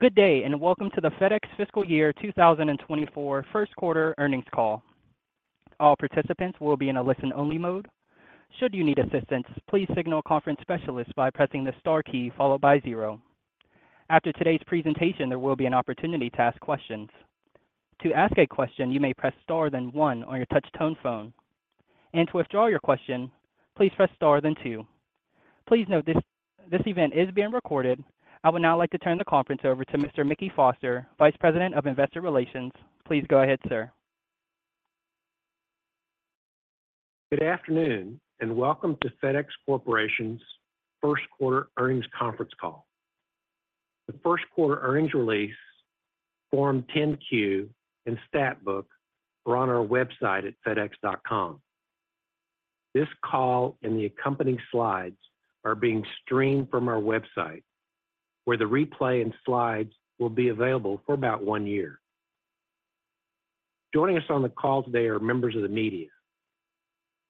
Good day, and welcome to the FedEx Fiscal Year 2024 first quarter earnings call. All participants will be in a listen-only mode. Should you need assistance, please signal a conference specialist by pressing the star key followed by zero. After today's presentation, there will be an opportunity to ask questions. To ask a question, you may press star, then one on your touch tone phone, and to withdraw your question, please press star, then two. Please note this event is being recorded. I would now like to turn the conference over to Mr. Mickey Foster, Vice President of Investor Relations. Please go ahead, sir. Good afternoon, and welcome to FedEx Corporation's first quarter earnings conference call. The first quarter earnings release, Form 10-Q and Stat Book are on our website at fedex.com. This call and the accompanying slides are being streamed from our website, where the replay and slides will be available for about one year. Joining us on the call today are members of the media.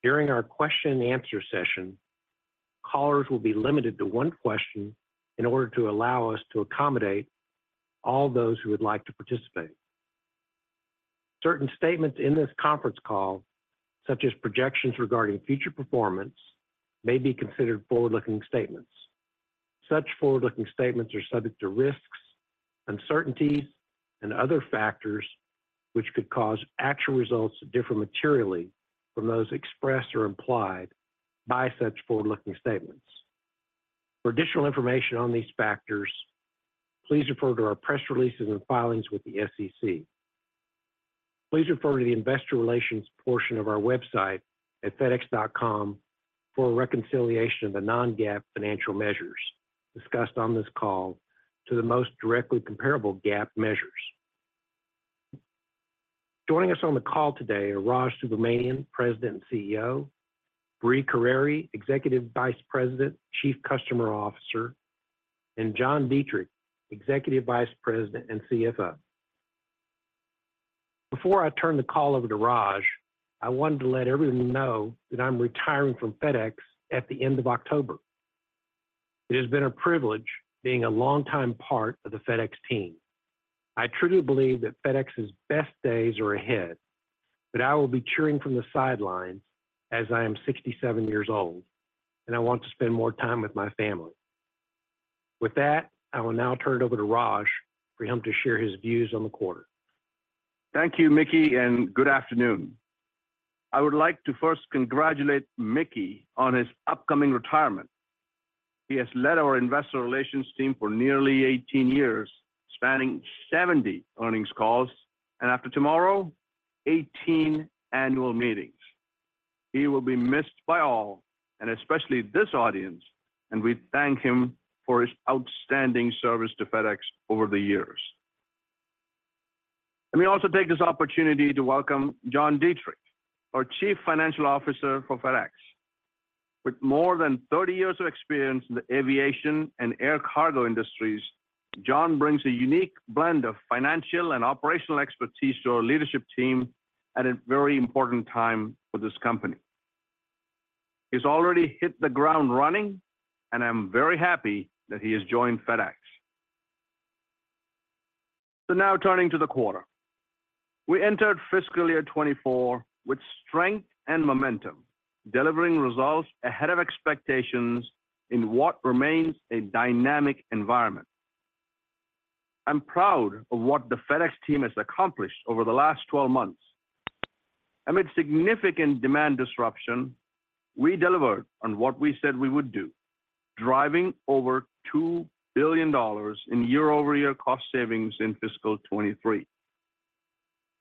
During our question and answer session, callers will be limited to one question in order to allow us to accommodate all those who would like to participate. Certain statements in this conference call, such as projections regarding future performance, may be considered forward-looking statements. Such forward-looking statements are subject to risks, uncertainties, and other factors which could cause actual results to differ materially from those expressed or implied by such forward-looking statements. For additional information on these factors, please refer to our press releases and filings with the SEC. Please refer to the investor relations portion of our website at fedex.com for a reconciliation of the non-GAAP financial measures discussed on this call to the most directly comparable GAAP measures. Joining us on the call today are Raj Subramaniam, President and CEO; Brie Carere, Executive Vice President, Chief Customer Officer; and John Dietrich, Executive Vice President and CFO. Before I turn the call over to Raj, I wanted to let everyone know that I'm retiring from FedEx at the end of October. It has been a privilege being a longtime part of the FedEx team. I truly believe that FedEx's best days are ahead, but I will be cheering from the sidelines as I am 67 years old, and I want to spend more time with my family. With that, I will now turn it over to Raj for him to share his views on the quarter. Thank you, Mickey, and good afternoon. I would like to first congratulate Mickey on his upcoming retirement. He has led our investor relations team for nearly 18 years, spanning 70 earnings calls, and after tomorrow, 18 annual meetings. He will be missed by all, and especially this audience, and we thank him for his outstanding service to FedEx over the years. Let me also take this opportunity to welcome John Dietrich, our Chief Financial Officer for FedEx. With more than 30 years of experience in the aviation and air cargo industries, John brings a unique blend of financial and operational expertise to our leadership team at a very important time for this company. He's already hit the ground running, and I'm very happy that he has joined FedEx. So now turning to the quarter. We entered fiscal year 2024 with strength and momentum, delivering results ahead of expectations in what remains a dynamic environment. I'm proud of what the FedEx team has accomplished over the last 12 months. Amid significant demand disruption, we delivered on what we said we would do, driving over $2 billion in year-over-year cost savings in fiscal 2023.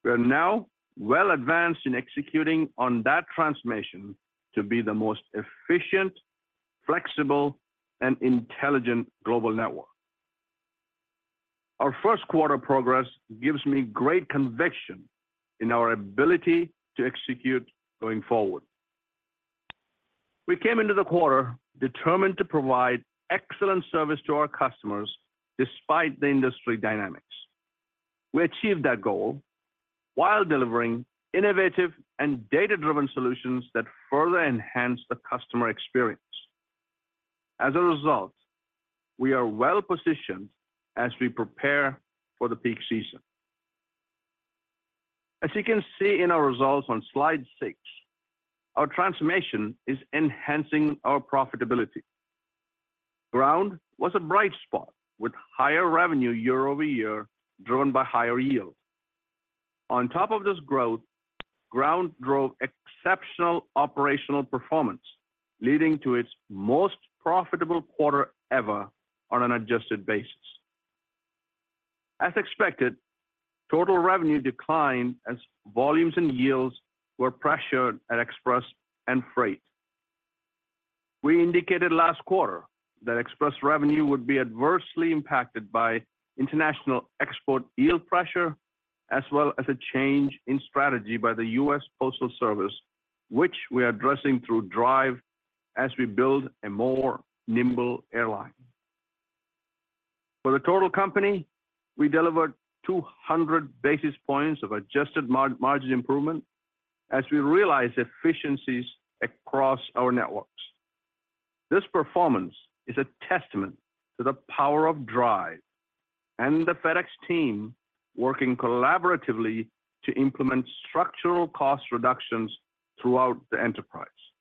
We are now well advanced in executing on that transformation to be the most efficient, flexible, and intelligent global network. Our first quarter progress gives me great conviction in our ability to execute going forward. We came into the quarter determined to provide excellent service to our customers despite the industry dynamics. We achieved that goal while delivering innovative and data-driven solutions that further enhance the customer experience. As a result, we are well positioned as we prepare for the peak season. As you can see in our results on slide six, our transformation is enhancing our profitability. Ground was a bright spot, with higher revenue year over year, driven by higher yields. On top of this growth, Ground drove exceptional operational performance, leading to its most profitable quarter ever on an adjusted basis. As expected, total revenue declined as volumes and yields were pressured at Express and Freight. We indicated last quarter that Express revenue would be adversely impacted by international export yield pressure, as well as a change in strategy by the U.S. Postal Service, which we are addressing through DRIVE as we build a more nimble airline. For the total company, we delivered 200 basis points of adjusted margin improvement, as we realize efficiencies across our networks. This performance is a testament to the power of DRIVE and the FedEx team working collaboratively to implement structural cost reductions throughout the enterprise.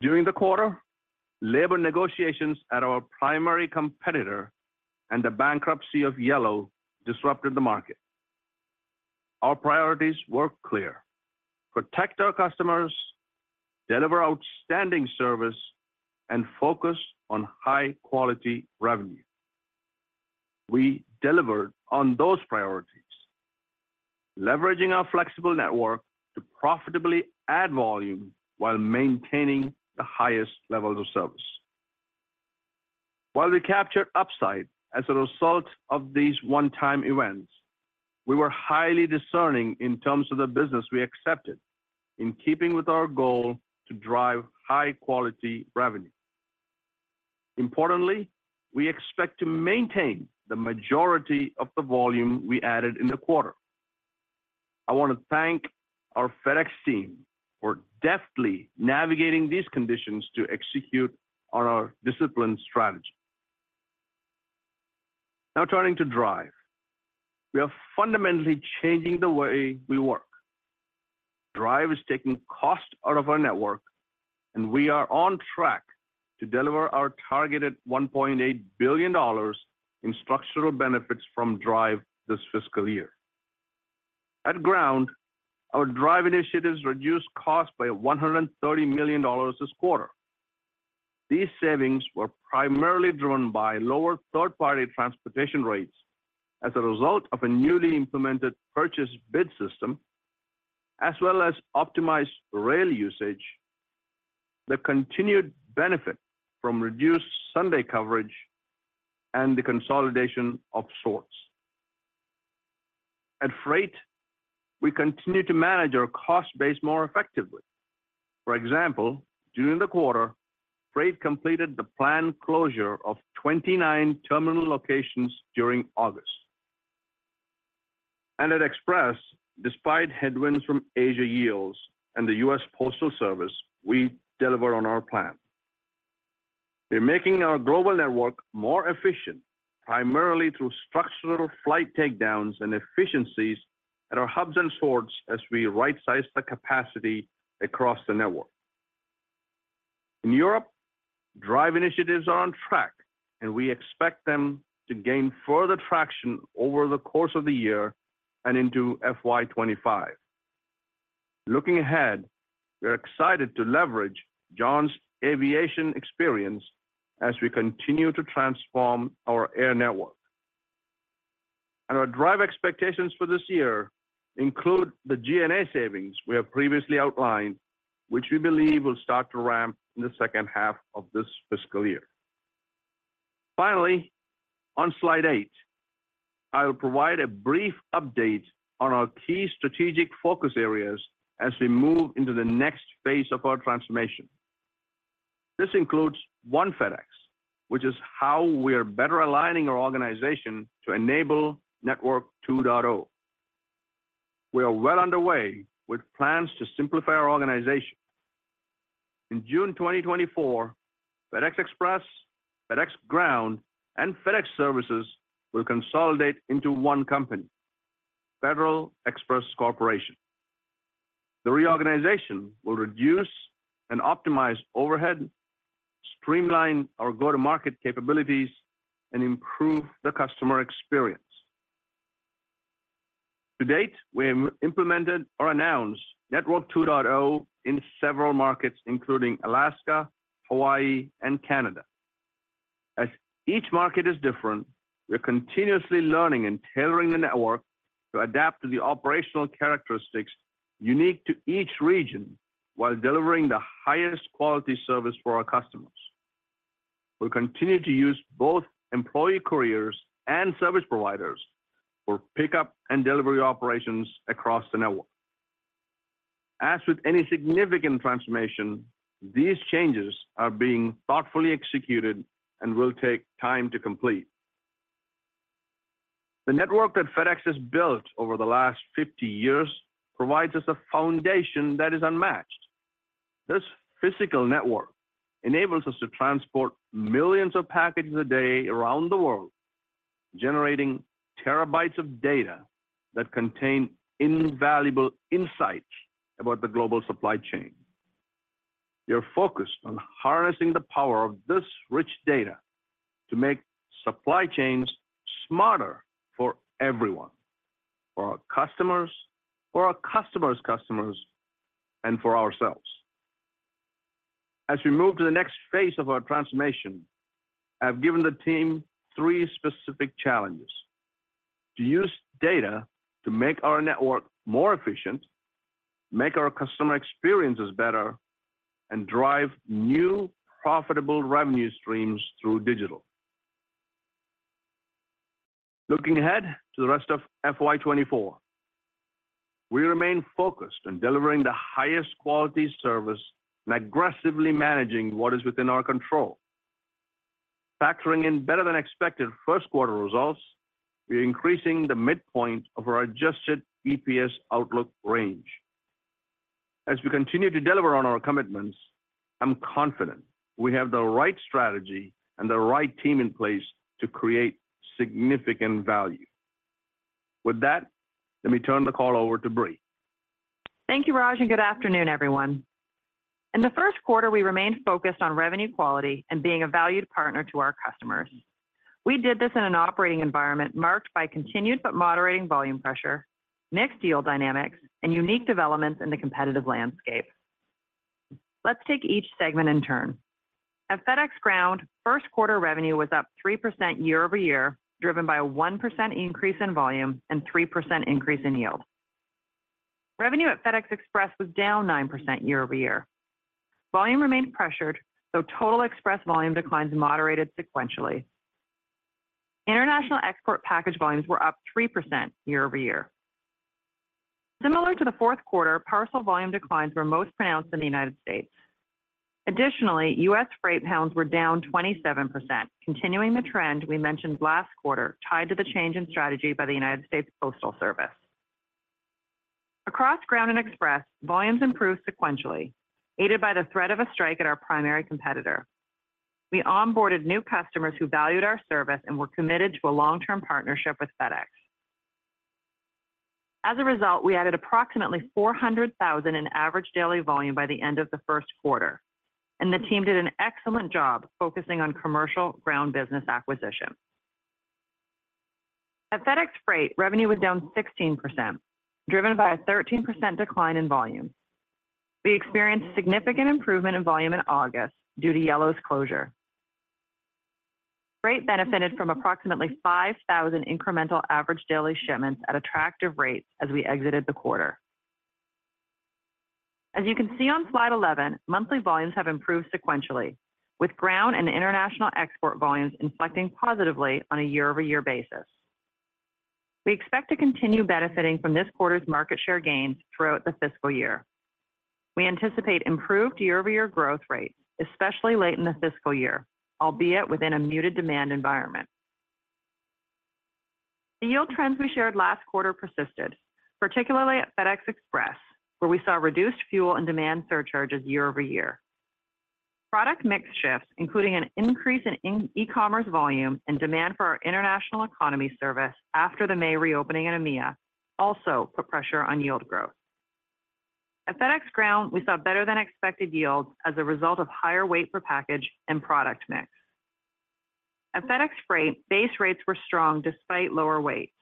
During the quarter, labor negotiations at our primary competitor and the bankruptcy of Yellow disrupted the market. Our priorities were clear: protect our customers, deliver outstanding service, and focus on high-quality revenue. We delivered on those priorities, leveraging our flexible network to profitably add volume while maintaining the highest levels of service. While we captured upside as a result of these one-time events, we were highly discerning in terms of the business we accepted, in keeping with our goal to DRIVE high-quality revenue. Importantly, we expect to maintain the majority of the volume we added in the quarter. I want to thank our FedEx team for deftly navigating these conditions to execute on our disciplined strategy. Now, turning to DRIVE. We are fundamentally changing the way we work. DRIVE is taking cost out of our network, and we are on track to deliver our targeted $1.8 billion in structural benefits from DRIVE this fiscal year. At Ground, our DRIVE initiatives reduced costs by $130 million this quarter. These savings were primarily driven by lower third-party transportation rates as a result of a newly implemented purchase bid system, as well as optimized rail usage, the continued benefit from reduced Sunday coverage, and the consolidation of sorts. At Freight, we continue to manage our cost base more effectively. For example, during the quarter, Freight completed the planned closure of 29 terminal locations during August. At Express, despite headwinds from Asia yields and the U.S. Postal Service, we delivered on our plan. We're making our global network more efficient, primarily through structural flight takedowns and efficiencies at our hubs and sorts as we rightsize the capacity across the network. In Europe, DRIVE initiatives are on track, and we expect them to gain further traction over the course of the year and into FY 2025. Looking ahead, we're excited to leverage John's aviation experience as we continue to transform our air network. And our DRIVE expectations for this year include the G&A savings we have previously outlined, which we believe will start to ramp in the second half of this fiscal year. Finally, on slide eight, I will provide a brief update on our key strategic focus areas as we move into the next phase of our transformation. This includes One FedEx, which is how we are better aligning our organization to enable Network 2.0. We are well underway with plans to simplify our organization. In June 2024, FedEx Express, FedEx Ground, and FedEx Services will consolidate into one company, Federal Express Corporation. The reorganization will reduce and optimize overhead, streamline our go-to-market capabilities, and improve the customer experience. To date, we have implemented or announced Network 2.0 in several markets, including Alaska, Hawaii, and Canada. As each market is different, we are continuously learning and tailoring the network to adapt to the operational characteristics unique to each region, while delivering the highest quality service for our customers. We'll continue to use both employee couriers and service providers for pickup and delivery operations across the network. As with any significant transformation, these changes are being thoughtfully executed and will take time to complete. The network that FedEx has built over the last 50 years provides us a foundation that is unmatched. This physical network enables us to transport millions of packages a day around the world, generating terabytes of data that contain invaluable insights about the global supply chain. We are focused on harnessing the power of this rich data to make supply chains smarter for everyone, for our customers, for our customers' customers, and for ourselves. As we move to the next phase of our transformation, I've given the team three specific challenges: to use data to make our network more efficient, make our customer experiences better, and DRIVE new profitable revenue streams through digital. Looking ahead to the rest of FY 2024, we remain focused on delivering the highest quality service and aggressively managing what is within our control. Factoring in better-than-expected first quarter results, we're increasing the midpoint of our Adjusted EPS outlook range. As we continue to deliver on our commitments, I'm confident we have the right strategy and the right team in place to create significant value. With that, let me turn the call over to Brie. Thank you, Raj, and good afternoon, everyone. In the first quarter, we remained focused on revenue quality and being a valued partner to our customers. We did this in an operating environment marked by continued but moderating volume pressure, mixed yield dynamics, and unique developments in the competitive landscape. Let's take each segment in turn. At FedEx Ground, first quarter revenue was up 3% year-over-year, driven by a 1% increase in volume and 3% increase in yield. Revenue at FedEx Express was down 9% year-over-year. Volume remained pressured, though total Express volume declines moderated sequentially. International export package volumes were up 3% year-over-year. Similar to the fourth quarter, parcel volume declines were most pronounced in the U.S. Additionally, U.S. Freight pounds were down 27%, continuing the trend we mentioned last quarter, tied to the change in strategy by the United States Postal Service. Across Ground and Express, volumes improved sequentially, aided by the threat of a strike at our primary competitor. We onboarded new customers who valued our service and were committed to a long-term partnership with FedEx. As a result, we added approximately 400,000 in average daily volume by the end of the first quarter, and the team did an excellent job focusing on commercial Ground business acquisition. At FedEx Freight, revenue was down 16%, driven by a 13% decline in volume. We experienced significant improvement in volume in August due to Yellow's closure. Freight benefited from approximately 5,000 incremental average daily shipments at attractive rates as we exited the quarter. As you can see on slide 11, monthly volumes have improved sequentially, with Ground and international export volumes inflecting positively on a year-over-year basis. We expect to continue benefiting from this quarter's market share gains throughout the fiscal year. We anticipate improved year-over-year growth rates, especially late in the fiscal year, albeit within a muted demand environment. The yield trends we shared last quarter persisted, particularly at FedEx Express, where we saw reduced fuel and demand surcharges year over year. Product mix shifts, including an increase in e-commerce volume and demand for our International Economy service after the May reopening in EMEA, also put pressure on yield growth. At FedEx Ground, we saw better-than-expected yields as a result of higher weight per package and product mix. At FedEx Freight, base rates were strong despite lower weights.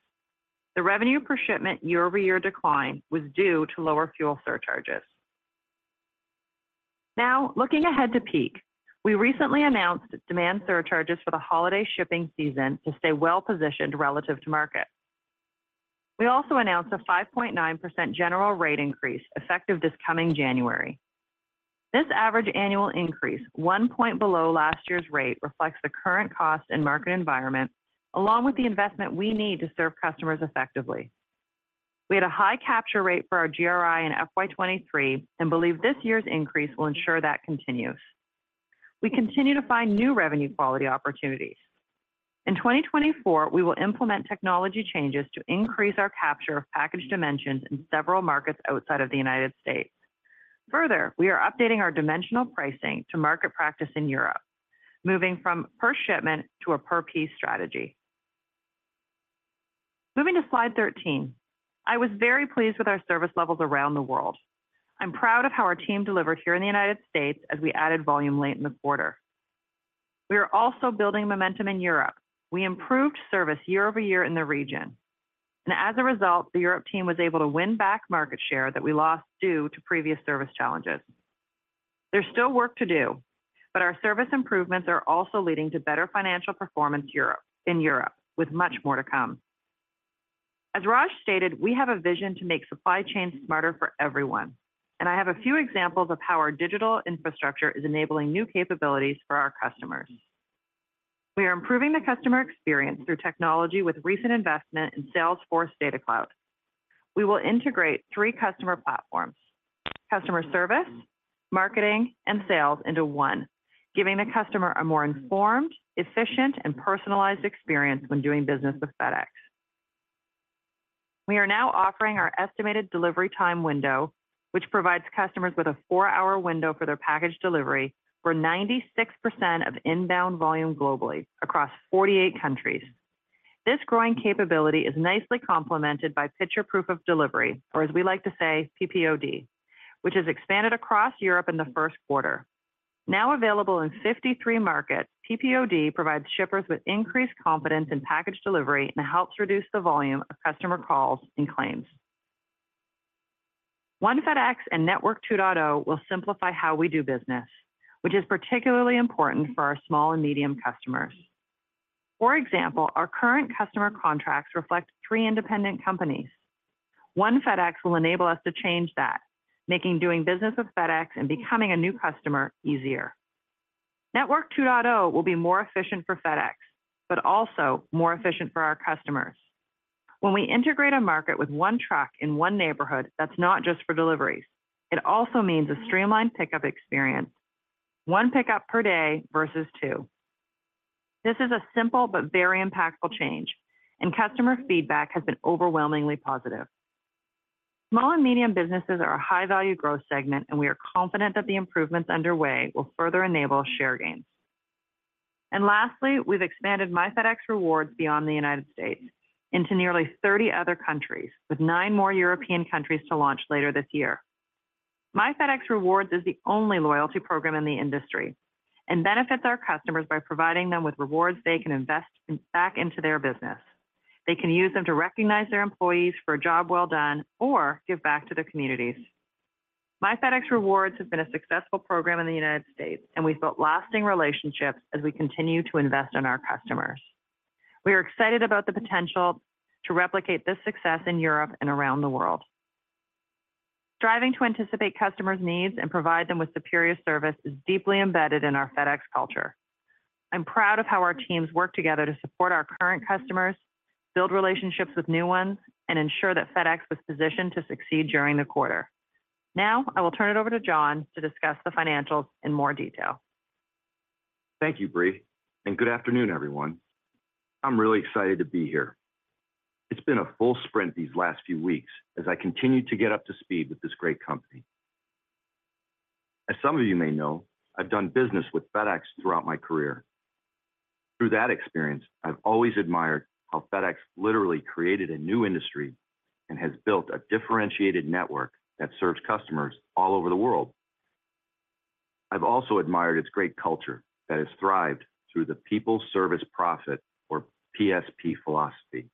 The revenue per shipment year-over-year decline was due to lower fuel surcharges. Now, looking ahead to peak, we recently announced demand surcharges for the holiday shipping season to stay well-positioned relative to market. We also announced a 5.9% general rate increase effective this coming January. This average annual increase, 1 point below last year's rate, reflects the current cost and market environment, along with the investment we need to serve customers effectively. We had a high capture rate for our GRI in FY 2023 and believe this year's increase will ensure that continues. We continue to find new revenue quality opportunities. In 2024, we will implement technology changes to increase our capture of package dimensions in several markets outside of the United States. Further, we are updating our dimensional pricing to market practice in Europe, moving from per shipment to a per piece strategy. Moving to slide 13. I was very pleased with our service levels around the world. I'm proud of how our team delivered here in the U.S. as we added volume late in the quarter. We are also building momentum in Europe. We improved service year-over-year in the region, and as a result, the Europe team was able to win back market share that we lost due to previous service challenges. There's still work to do, but our service improvements are also leading to better financial performance in Europe, with much more to come. As Raj stated, we have a vision to make supply chains smarter for everyone, and I have a few examples of how our digital infrastructure is enabling new capabilities for our customers. We are improving the customer experience through technology with recent investment in Salesforce Data Cloud. We will integrate three customer platforms: customer service, marketing, and sales into one, giving the customer a more informed, efficient, and personalized experience when doing business with FedEx. We are now offering our estimated delivery time window, which provides customers with a four-hour window for their package delivery for 96% of inbound volume globally across 48 countries. This growing capability is nicely complemented by Picture Proof of Delivery, or as we like to say, PPOD, which has expanded across Europe in the first quarter. Now available in 53 markets, PPOD provides shippers with increased confidence in package delivery and helps reduce the volume of customer calls and claims. One FedEx and Network 2.0 will simplify how we do business, which is particularly important for our small and medium customers. For example, our current customer contracts reflect three independent companies. One FedEx will enable us to change that, making doing business with FedEx and becoming a new customer easier. Network 2.0 will be more efficient for FedEx, but also more efficient for our customers. When we integrate a market with one truck in one neighborhood, that's not just for deliveries. It also means a streamlined pickup experience, one pickup per day versus two. This is a simple but very impactful change, and customer feedback has been overwhelmingly positive. Small and medium businesses are a high-value growth segment, and we are confident that the improvements underway will further enable share gains. And lastly, we've expanded My FedEx Rewards beyond the United States into nearly 30 other countries, with nine more European countries to launch later this year. My FedEx Rewards is the only loyalty program in the industry and benefits our customers by providing them with rewards they can invest in, back into their business. They can use them to recognize their employees for a job well done or give back to their communities. My FedEx Rewards has been a successful program in the United States, and we've built lasting relationships as we continue to invest in our customers. We are excited about the potential to replicate this success in Europe and around the world. Striving to anticipate customers' needs and provide them with superior service is deeply embedded in our FedEx culture. I'm proud of how our teams work together to support our current customers, build relationships with new ones, and ensure that FedEx was positioned to succeed during the quarter. Now, I will turn it over to John to discuss the financials in more detail. Thank you, Brie, and good afternoon, everyone. I'm really excited to be here. It's been a full sprint these last few weeks as I continue to get up to speed with this great company. As some of you may know, I've done business with FedEx throughout my career. Through that experience, I've always admired how FedEx literally created a new industry and has built a differentiated network that serves customers all over the world. I've also admired its great culture that has thrived through the People Service Profit, or PSP, philosophy.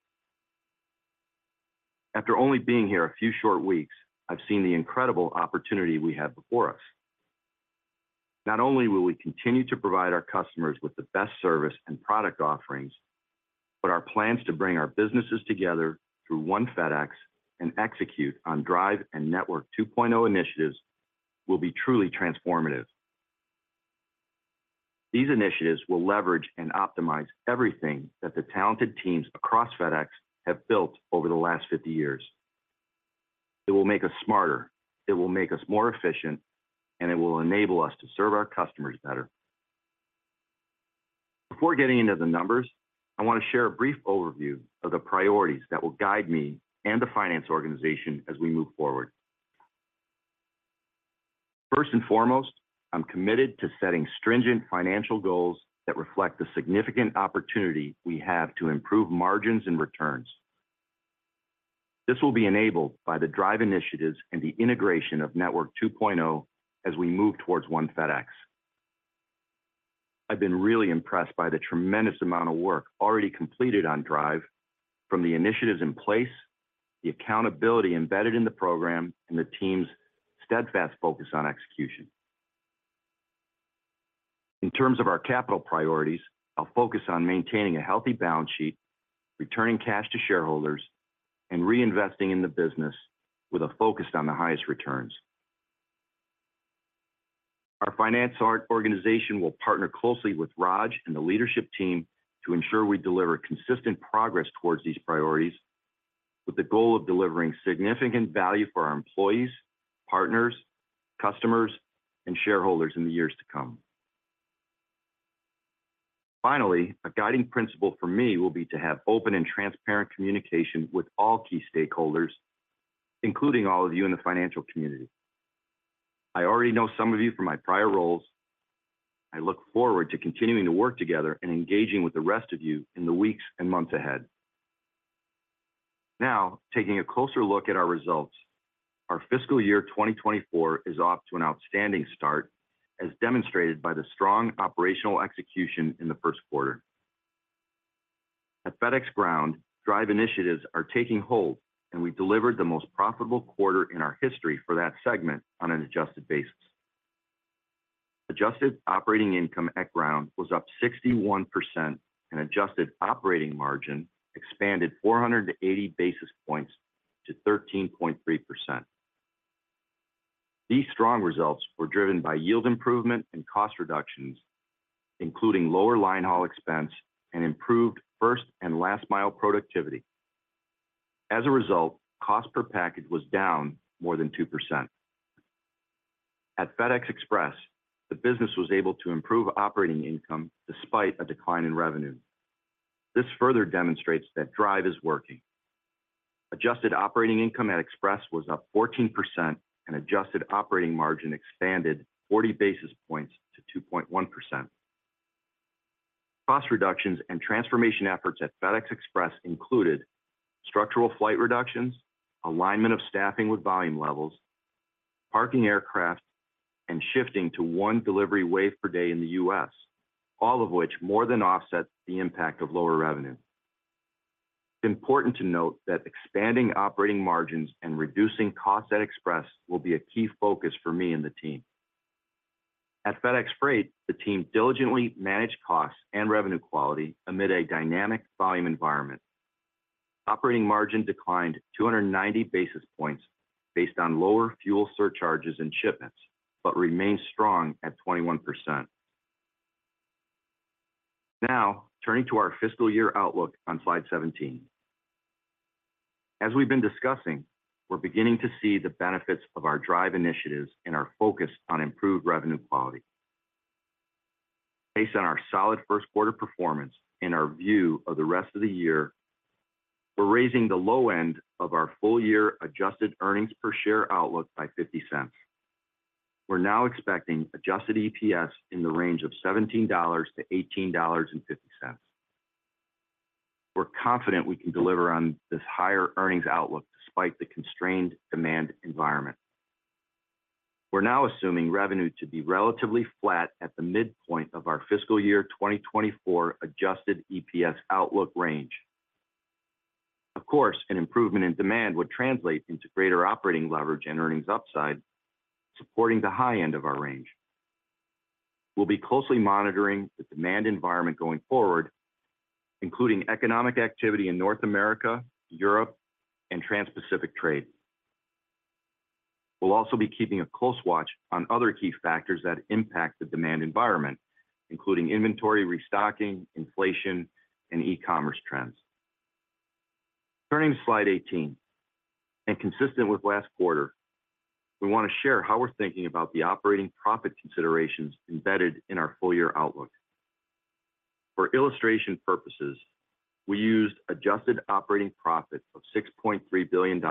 After only being here a few short weeks, I've seen the incredible opportunity we have before us. Not only will we continue to provide our customers with the best service and product offerings, but our plans to bring our businesses together through One FedEx and execute on DRIVE and Network 2.0 initiatives will be truly transformative. These initiatives will leverage and optimize everything that the talented teams across FedEx have built over the last 50 years. It will make us smarter, it will make us more efficient, and it will enable us to serve our customers better. Before getting into the numbers, I want to share a brief overview of the priorities that will guide me and the finance organization as we move forward. First and foremost, I'm committed to setting stringent financial goals that reflect the significant opportunity we have to improve margins and returns. This will be enabled by the DRIVE initiatives and the integration of Network 2.0 as we move towards One FedEx. I've been really impressed by the tremendous amount of work already completed on DRIVE, from the initiatives in place, the accountability embedded in the program, and the team's steadfast focus on execution. In terms of our capital priorities, I'll focus on maintaining a healthy balance sheet, returning cash to shareholders, and reinvesting in the business with a focus on the highest returns. Our finance organization will partner closely with Raj and the leadership team to ensure we deliver consistent progress towards these priorities, with the goal of delivering significant value for our employees, partners, customers, and shareholders in the years to come. Finally, a guiding principle for me will be to have open and transparent communication with all key stakeholders, including all of you in the financial community. I already know some of you from my prior roles. I look forward to continuing to work together and engaging with the rest of you in the weeks and months ahead. Now, taking a closer look at our results, our fiscal year 2024 is off to an outstanding start, as demonstrated by the strong operational execution in the first quarter. At FedEx Ground, DRIVE initiatives are taking hold, and we delivered the most profitable quarter in our history for that segment on an adjusted basis. Adjusted operating income at Ground was up 61%, and adjusted operating margin expanded 480 basis points to 13.3%. These strong results were driven by yield improvement and cost reductions, including lower line haul expense and improved first and last mile productivity. As a result, cost per package was down more than 2%. At FedEx Express, the business was able to improve operating income despite a decline in revenue. This further demonstrates that DRIVE is working. Adjusted operating income at Express was up 14%, and adjusted operating margin expanded 40 basis points to 2.1%. Cost reductions and transformation efforts at FedEx Express included structural flight reductions, alignment of staffing with volume levels, parking aircraft, and shifting to 1 delivery wave per day in the U.S., all of which more than offsets the impact of lower revenue. It's important to note that expanding operating margins and reducing costs at Express will be a key focus for me and the team. At FedEx Freight, the team diligently managed costs and revenue quality amid a dynamic volume environment. Operating margin declined 290 basis points based on lower fuel surcharges and shipments, but remains strong at 21%. Now, turning to our fiscal year outlook on slide 17. As we've been discussing, we're beginning to see the benefits of our DRIVE initiatives and our focus on improved revenue quality. Based on our solid first quarter performance and our view of the rest of the year, we're raising the low end of our full year adjusted earnings per share outlook by $0.50. We're now expecting adjusted EPS in the range of $17-$18.50. We're confident we can deliver on this higher earnings outlook despite the constrained demand environment. We're now assuming revenue to be relatively flat at the midpoint of our fiscal year 2024 adjusted EPS outlook range. Of course, an improvement in demand would translate into greater operating leverage and earnings upside, supporting the high end of our range. We'll be closely monitoring the demand environment going forward, including economic activity in North America, Europe, and Transpacific trade. We'll also be keeping a close watch on other key factors that impact the demand environment, including inventory, restocking, inflation, and e-commerce trends. Turning to slide 18, and consistent with last quarter, we want to share how we're thinking about the operating profit considerations embedded in our full year outlook. For illustration purposes, we used adjusted operating profit of $6.3 billion,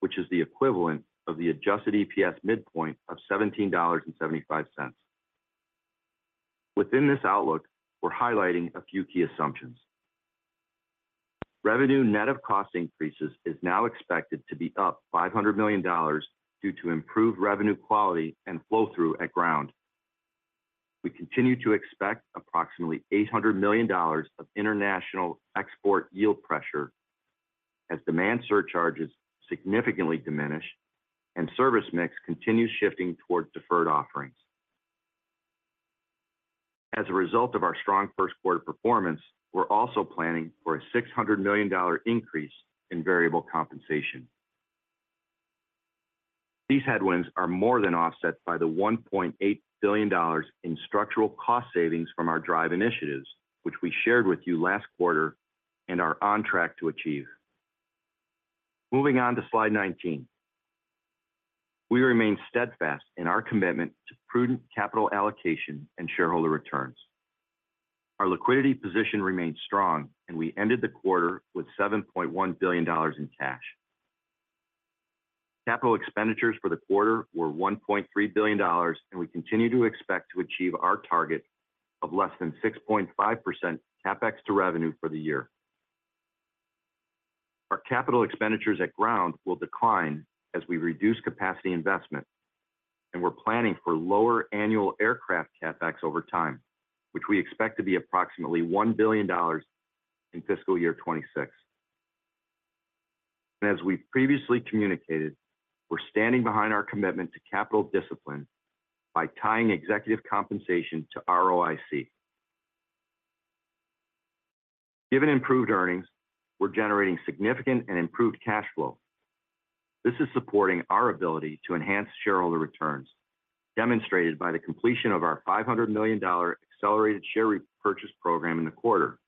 which is the equivalent of the adjusted EPS midpoint of $17.75. Within this outlook, we're highlighting a few key assumptions. Revenue net of cost increases is now expected to be up $500 million due to improved revenue quality and flow-through at Ground. We continue to expect approximately $800 million of international export yield pressure as demand surcharges significantly diminish and service mix continues shifting towards deferred offerings. As a result of our strong first quarter performance, we're also planning for a $600 million increase in variable compensation. These headwinds are more than offset by the $1.8 billion in structural cost savings from our DRIVE initiatives, which we shared with you last quarter and are on track to achieve. Moving on to slide 19. We remain steadfast in our commitment to prudent capital allocation and shareholder returns. Our liquidity position remains strong, and we ended the quarter with $7.1 billion in cash. Capital expenditures for the quarter were $1.3 billion, and we continue to expect to achieve our target of less than 6.5% CapEx to revenue for the year. Our capital expenditures at Ground will decline as we reduce capacity investment, and we're planning for lower annual aircraft CapEx over time, which we expect to be approximately $1 billion in fiscal year 2026. As we've previously communicated, we're standing behind our commitment to capital discipline by tying executive compensation to ROIC. Given improved earnings, we're generating significant and improved cash flow. This is supporting our ability to enhance shareholder returns, demonstrated by the completion of our $500 million accelerated share repurchase program in the quarter.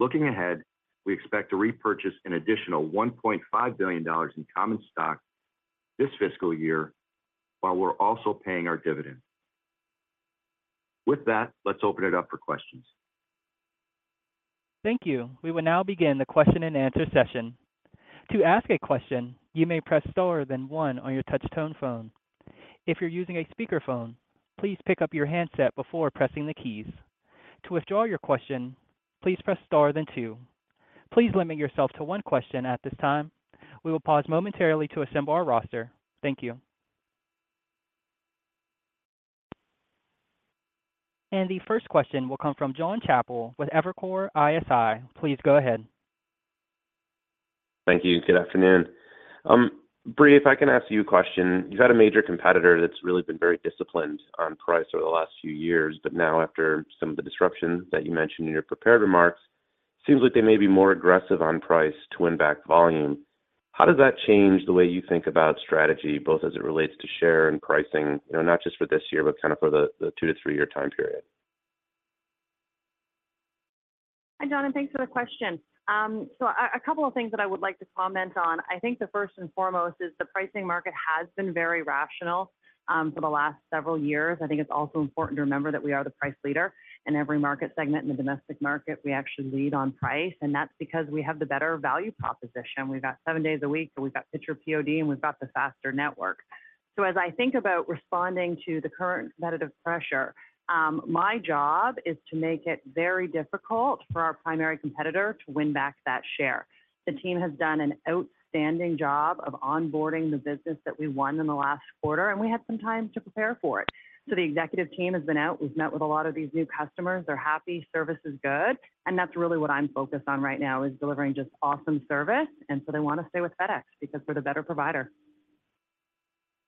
Looking ahead, we expect to repurchase an additional $1.5 billion in common stock this fiscal year, while we're also paying our dividend. With that, let's open it up for questions. Thank you. We will now begin the question-and-answer session. To ask a question, you may press star, then one on your touch tone phone. If you're using a speakerphone, please pick up your handset before pressing the keys. To withdraw your question, please press star, then two. Please limit yourself to one question at this time. We will pause momentarily to assemble our roster. Thank you. The first question will come from Jon Chappell with Evercore ISI. Please go ahead. Thank you, good afternoon. Brie, if I can ask you a question. You've had a major competitor that's really been very disciplined on price over the last few years, but now after some of the disruption that you mentioned in your prepared remarks, seems like they may be more aggressive on price to win back volume. How does that change the way you think about strategy, both as it relates to share and pricing, you know, not just for this year, but kind of for the two to three-year time period? Hi, John, and thanks for the question. So, a couple of things that I would like to comment on. I think the first and foremost is the pricing market has been very rational for the last several years. I think it's also important to remember that we are the price leader. In every market segment in the domestic market, we actually lead on price, and that's because we have the better value proposition. We've got seven days a week, so we've got Picture POD, and we've got the faster network. So as I think about responding to the current competitive pressure, my job is to make it very difficult for our primary competitor to win back that share. The team has done an outstanding job of onboarding the business that we won in the last quarter, and we had some time to prepare for it. The executive team has been out. We've met with a lot of these new customers. They're happy, service is good, and that's really what I'm focused on right now, is delivering just awesome service, and so they want to stay with FedEx because we're the better provider.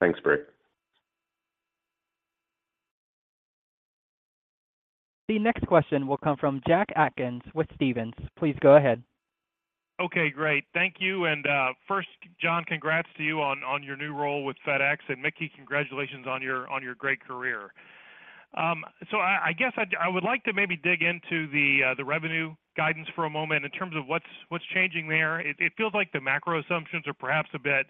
Thanks, Brie. The next question will come from Jack Atkins with Stephens. Please go ahead. Okay, great. Thank you. First, John, congrats to you on your new role with FedEx, and Mickey, congratulations on your great career. I guess I'd, I would like to maybe dig into the revenue guidance for a moment in terms of what's changing there. It feels like the macro assumptions are perhaps a bit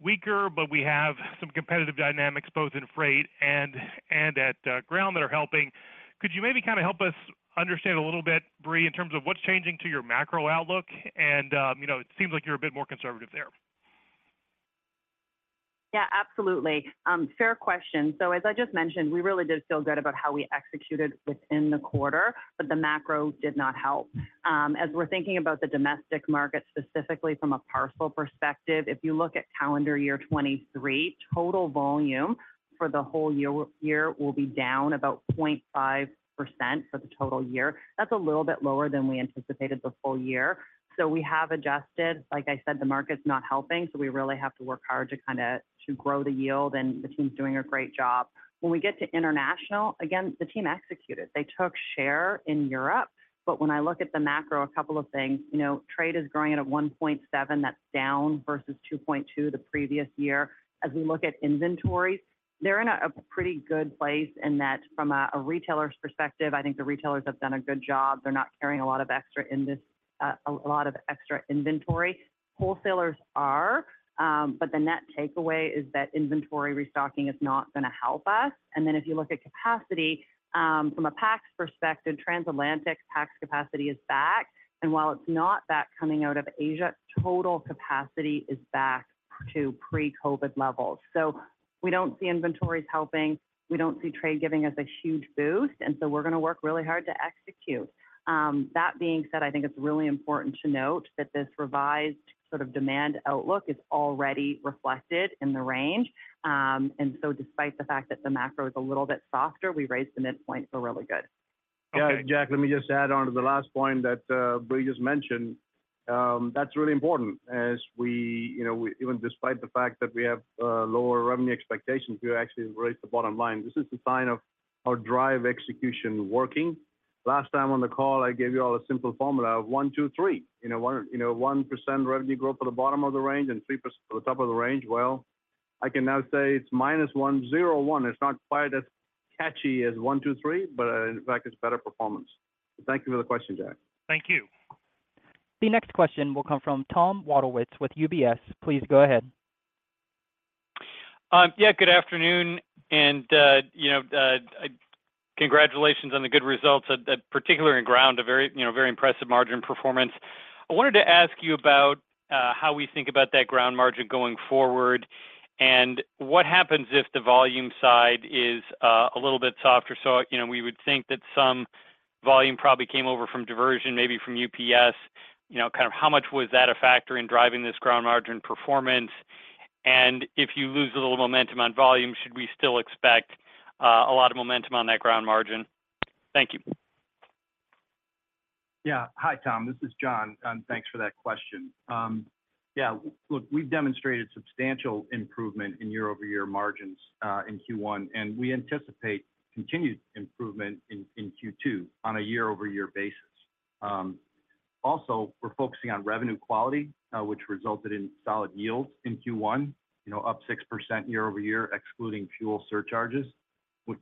weaker, but we have some competitive dynamics, both in Freight and at Ground that are helping. Could you maybe kind of help us understand a little bit, Brie, in terms of what's changing to your macro outlook? You know, it seems like you're a bit more conservative there. Yeah, absolutely. Fair question. So as I just mentioned, we really did feel good about how we executed within the quarter, but the macro did not help. As we're thinking about the domestic market, specifically from a parcel perspective, if you look at calendar year 2023, total volume for the whole year, year will be down about 0.5% for the total year. That's a little bit lower than we anticipated the full year, so we have adjusted. Like I said, the market's not helping, so we really have to work hard to kinda to grow the yield, and the team's doing a great job. When we get to international, again, the team executed. They took share in Europe. But when I look at the macro, a couple of things. You know, trade is growing at a 1.7%, that's down, versus 2.2% the previous year. As we look at inventories, they're in a pretty good place in that from a retailer's perspective, I think the retailers have done a good job. They're not carrying a lot of extra inventory. Wholesalers are, but the net takeaway is that inventory restocking is not gonna help us. And then if you look at capacity, from a PAX perspective, transatlantic PAX capacity is back, and while it's not back coming out of Asia, total capacity is back to pre-COVID levels. So we don't see inventories helping, we don't see trade giving us a huge boost, and so we're gonna work really hard to execute. That being said, I think it's really important to note that this revised sort of demand outlook is already reflected in the range. And so despite the fact that the macro is a little bit softer, we raised the midpoint, so we're really good. Yeah, Jack, let me just add on to the last point that Brie just mentioned. That's really important as we, you know, even despite the fact that we have lower revenue expectations, we actually raised the bottom line. This is a sign of our DRIVE execution working. Last time on the call, I gave you all a simple formula of 1%, 2%, 3%. You know, 1%, you know, 1% revenue growth for the bottom of the range and 3% for the top of the range. Well, I can now say it's -1%, 0%, 1%. It's not quite as catchy as 1%, 2%, 3%, but, in fact, it's better performance. Thank you for the question, Jack. Thank you. The next question will come from Tom Wadowitz with UBS. Please go ahead. Yeah, good afternoon, and, you know, congratulations on the good results, particularly in Ground, a very, you know, very impressive margin performance. I wanted to ask you about how we think about that Ground margin going forward, and what happens if the volume side is a little bit softer? So, you know, we would think that some volume probably came over from diversion, maybe from UPS. You know, kind of how much was that a factor in driving this Ground margin performance? And if you lose a little momentum on volume, should we still expect a lot of momentum on that Ground margin? Thank you. Yeah. Hi, Tom. This is John, and thanks for that question. Yeah, look, we've demonstrated substantial improvement in year-over-year margins, in Q1, and we anticipate continued improvement in, in Q2 on a year-over-year basis. Also, we're focusing on revenue quality, which resulted in solid yields in Q1, you know, up 6% year-over-year, excluding fuel surcharges,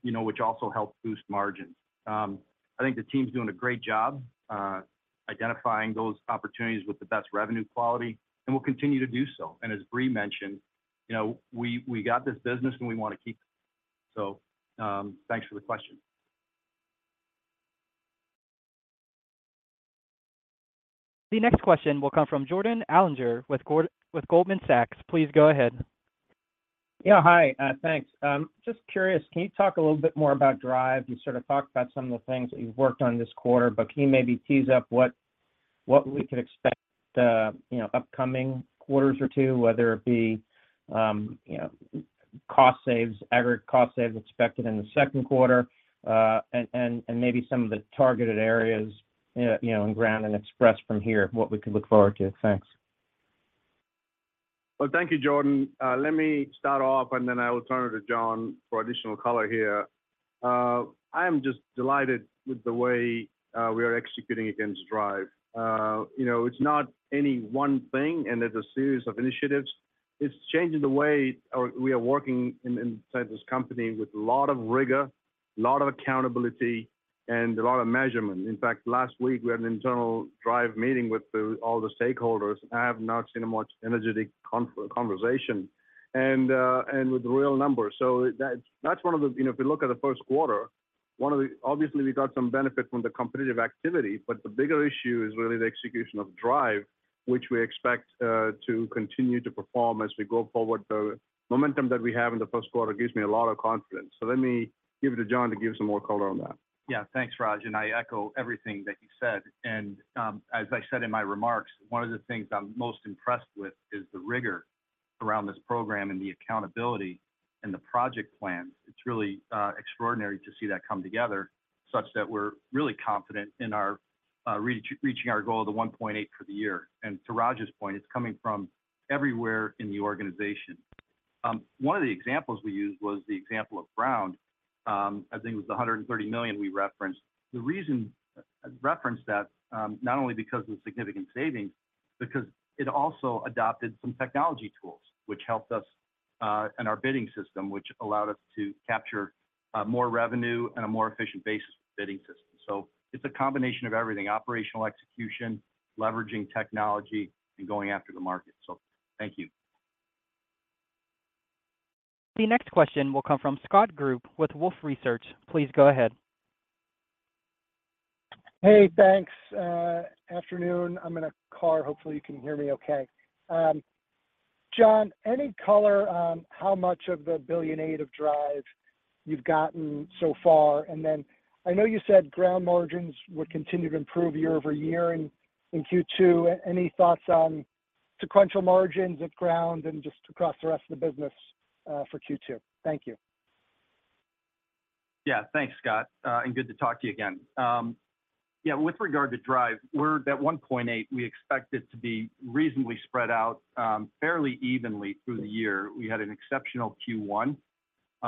you know, which also helped boost margins. I think the team's doing a great job, identifying those opportunities with the best revenue quality, and we'll continue to do so. And as Brie mentioned, you know, we, we got this business, and we want to keep it. So, thanks for the question. The next question will come from Jordan Alliger with Goldman Sachs. Please go ahead. Yeah. Hi. Thanks. Just curious, can you talk a little bit more about DRIVE? You sort of talked about some of the things that you've worked on this quarter, but can you maybe tease up what we could expect, you know, upcoming quarters or two, whether it be, you know, cost saves, aggregate cost saves expected in the second quarter, and maybe some of the targeted areas, you know, in Ground and Express from here, what we could look forward to? Thanks. Well, thank you, Jordan. Let me start off, and then I will turn it to John for additional color here. I am just delighted with the way we are executing against DRIVE. You know, it's not any one thing, and there's a series of initiatives. It's changing the way we are working inside this company with a lot of rigor, a lot of accountability, and a lot of measurement. In fact, last week, we had an internal DRIVE meeting with all the stakeholders. I have not seen a more energetic conversation and with real numbers. So that's one of the... You know, if we look at the first quarter, one of the obviously, we got some benefit from the competitive activity, but the bigger issue is really the execution of DRIVE, which we expect to continue to perform as we go forward. The momentum that we have in the first quarter gives me a lot of confidence. So let me give it to John to give some more color on that. Yeah. Thanks, Raj, and I echo everything that you said. And, as I said in my remarks, one of the things I'm most impressed with is the rigor around this program and the accountability and the project plan. It's really extraordinary to see that come together, such that we're really confident in our reaching our goal of the $1.8 for the year. And to Raj's point, it's coming from everywhere in the organization. One of the examples we used was the example of Ground. I think it was the $130 million we referenced. The reason I referenced that, not only because of the significant savings, because it also adopted some technology tools which helped us in our bidding system, which allowed us to capture more revenue and a more efficient basis bidding system. So it's a combination of everything: operational execution, leveraging technology, and going after the market. So thank you. The next question will come from Scott Group with Wolfe Research. Please go ahead. Hey, thanks. Afternoon. I'm in a car. Hopefully, you can hear me okay. John, any color on how much of the $1.8 billion of DRIVE you've gotten so far? And then I know you said Ground margins would continue to improve year-over-year in Q2. Any thoughts on sequential margins at Ground and just across the rest of the business for Q2? Thank you. Yeah. Thanks, Scott, and good to talk to you again. Yeah, with regard to DRIVE, we're at 1.8. We expect it to be reasonably spread out, fairly evenly through the year. We had an exceptional Q1.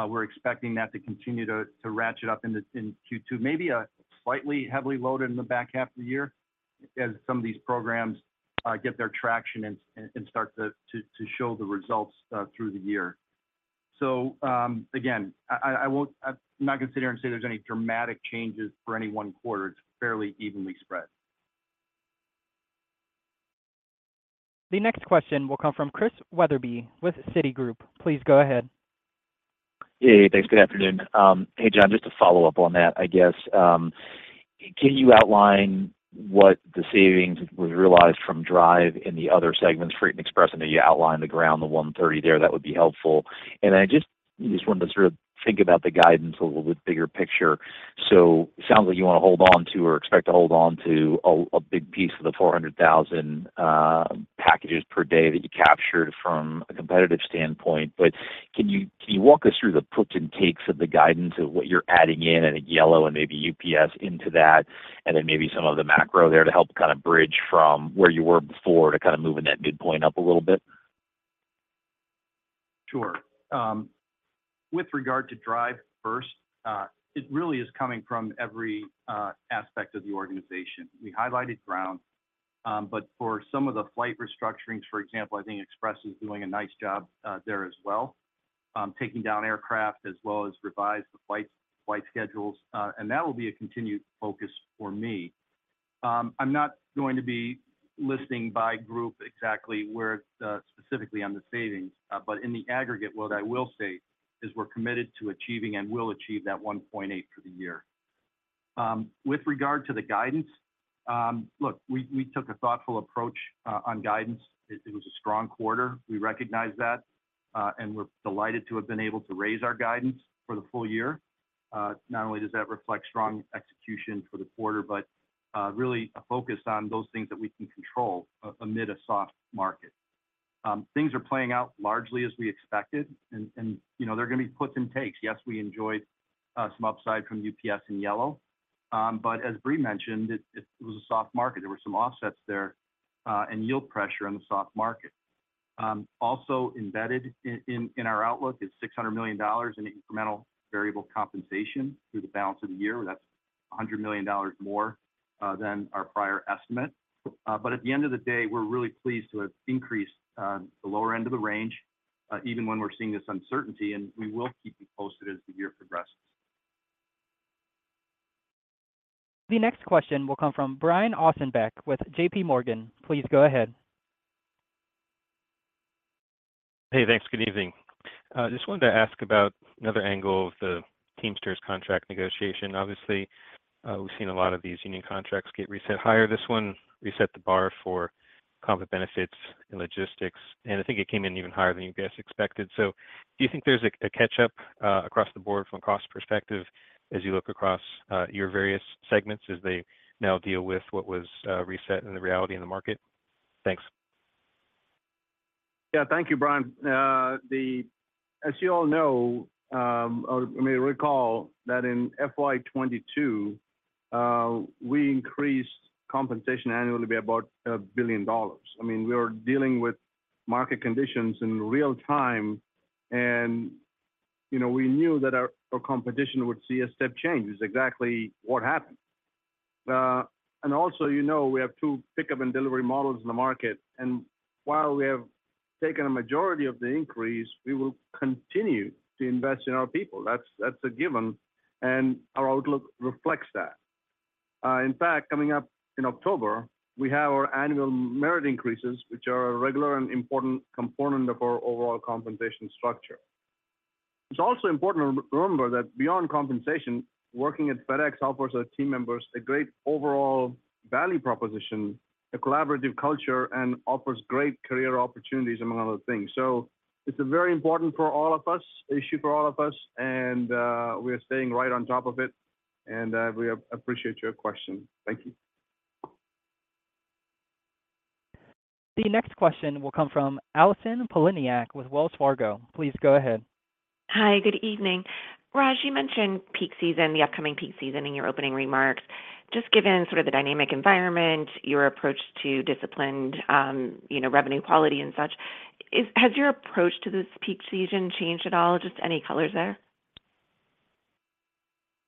We're expecting that to continue to ratchet up in Q2, maybe a slightly heavily loaded in the back half of the year as some of these programs get their traction and start to show the results through the year. So, again, I won't - I'm not gonna sit here and say there's any dramatic changes for any one quarter. It's fairly evenly spread. The next question will come from Chris Wetherbee with Citigroup. Please go ahead. Hey. Thanks. Good afternoon. Hey, John, just to follow up on that, I guess, can you outline what the savings was realized from DRIVE in the other segments, Freight and Express? I know you outlined the Ground, the $130 million there. That would be helpful. I just wanted to sort of think about the guidance a little bit bigger picture. It sounds like you wanna hold on to or expect to hold on to a big piece of the 400,000 packages per day that you captured from a competitive standpoint. But can you, can you walk us through the puts and takes of the guidance of what you're adding in and Yellow and maybe UPS into that, and then maybe some of the macro there to help kind of bridge from where you were before to kind of moving that midpoint up a little bit? Sure. With regard to DRIVE first, it really is coming from every aspect of the organization. We highlighted Ground, but for some of the flight restructurings, for example, I think Express is doing a nice job there as well, taking down aircraft as well as revise the flight schedules. And that will be a continued focus for me. I'm not going to be listing by group exactly where specifically on the savings. But in the aggregate, what I will say is we're committed to achieving and will achieve that $1.8 for the year. With regard to the guidance, look, we took a thoughtful approach on guidance. It was a strong quarter. We recognize that, and we're delighted to have been able to raise our guidance for the full year. Not only does that reflect strong execution for the quarter, but really a focus on those things that we can control amid a soft market. Things are playing out largely as we expected, and, you know, there are gonna be puts and takes. Yes, we enjoyed some upside from UPS and Yellow, but as Brie mentioned, it was a soft market. There were some offsets there and yield pressure on the soft market. Also embedded in our outlook is $600 million in incremental variable compensation through the balance of the year. That's $100 million more than our prior estimate. But at the end of the day, we're really pleased to have increased the lower end of the range, even when we're seeing this uncertainty, and we will keep you posted as the year progresses. The next question will come from Brian Ossenbeck with JPMorgan. Please go ahead. Hey, thanks. Good evening. Just wanted to ask about another angle of the Teamsters contract negotiation. Obviously, we've seen a lot of these union contracts get reset higher. This one reset the bar for comp benefits and logistics, and I think it came in even higher than you guys expected. So do you think there's a catch up across the board from a cost perspective as you look across your various segments as they now deal with what was reset and the reality in the market? Thanks. Yeah. Thank you, Brian. As you all know, or may recall that in FY 2022, we increased compensation annually by about $1 billion. I mean, we were dealing with market conditions in real time, and, you know, we knew that our, our competition would see a step change. It's exactly what happened. And also, you know, we have two pickup and delivery models in the market, and while we have taken a majority of the increase, we will continue to invest in our people. That's, that's a given, and our outlook reflects that. In fact, coming up in October, we have our annual merit increases, which are a regular and important component of our overall compensation structure. It's also important to remember that beyond compensation, working at FedEx offers our team members a great overall value proposition, a collaborative culture, and offers great career opportunities, among other things. So it's a very important for all of us, issue for all of us, and, we're staying right on top of it, and, we appreciate your question. Thank you. The next question will come from Allison Poliniak with Wells Fargo. Please go ahead. Hi, good evening. Raj, you mentioned peak season, the upcoming peak season in your opening remarks. Just given sort of the dynamic environment, your approach to disciplined, you know, revenue quality and such, has your approach to this peak season changed at all? Just any colors there?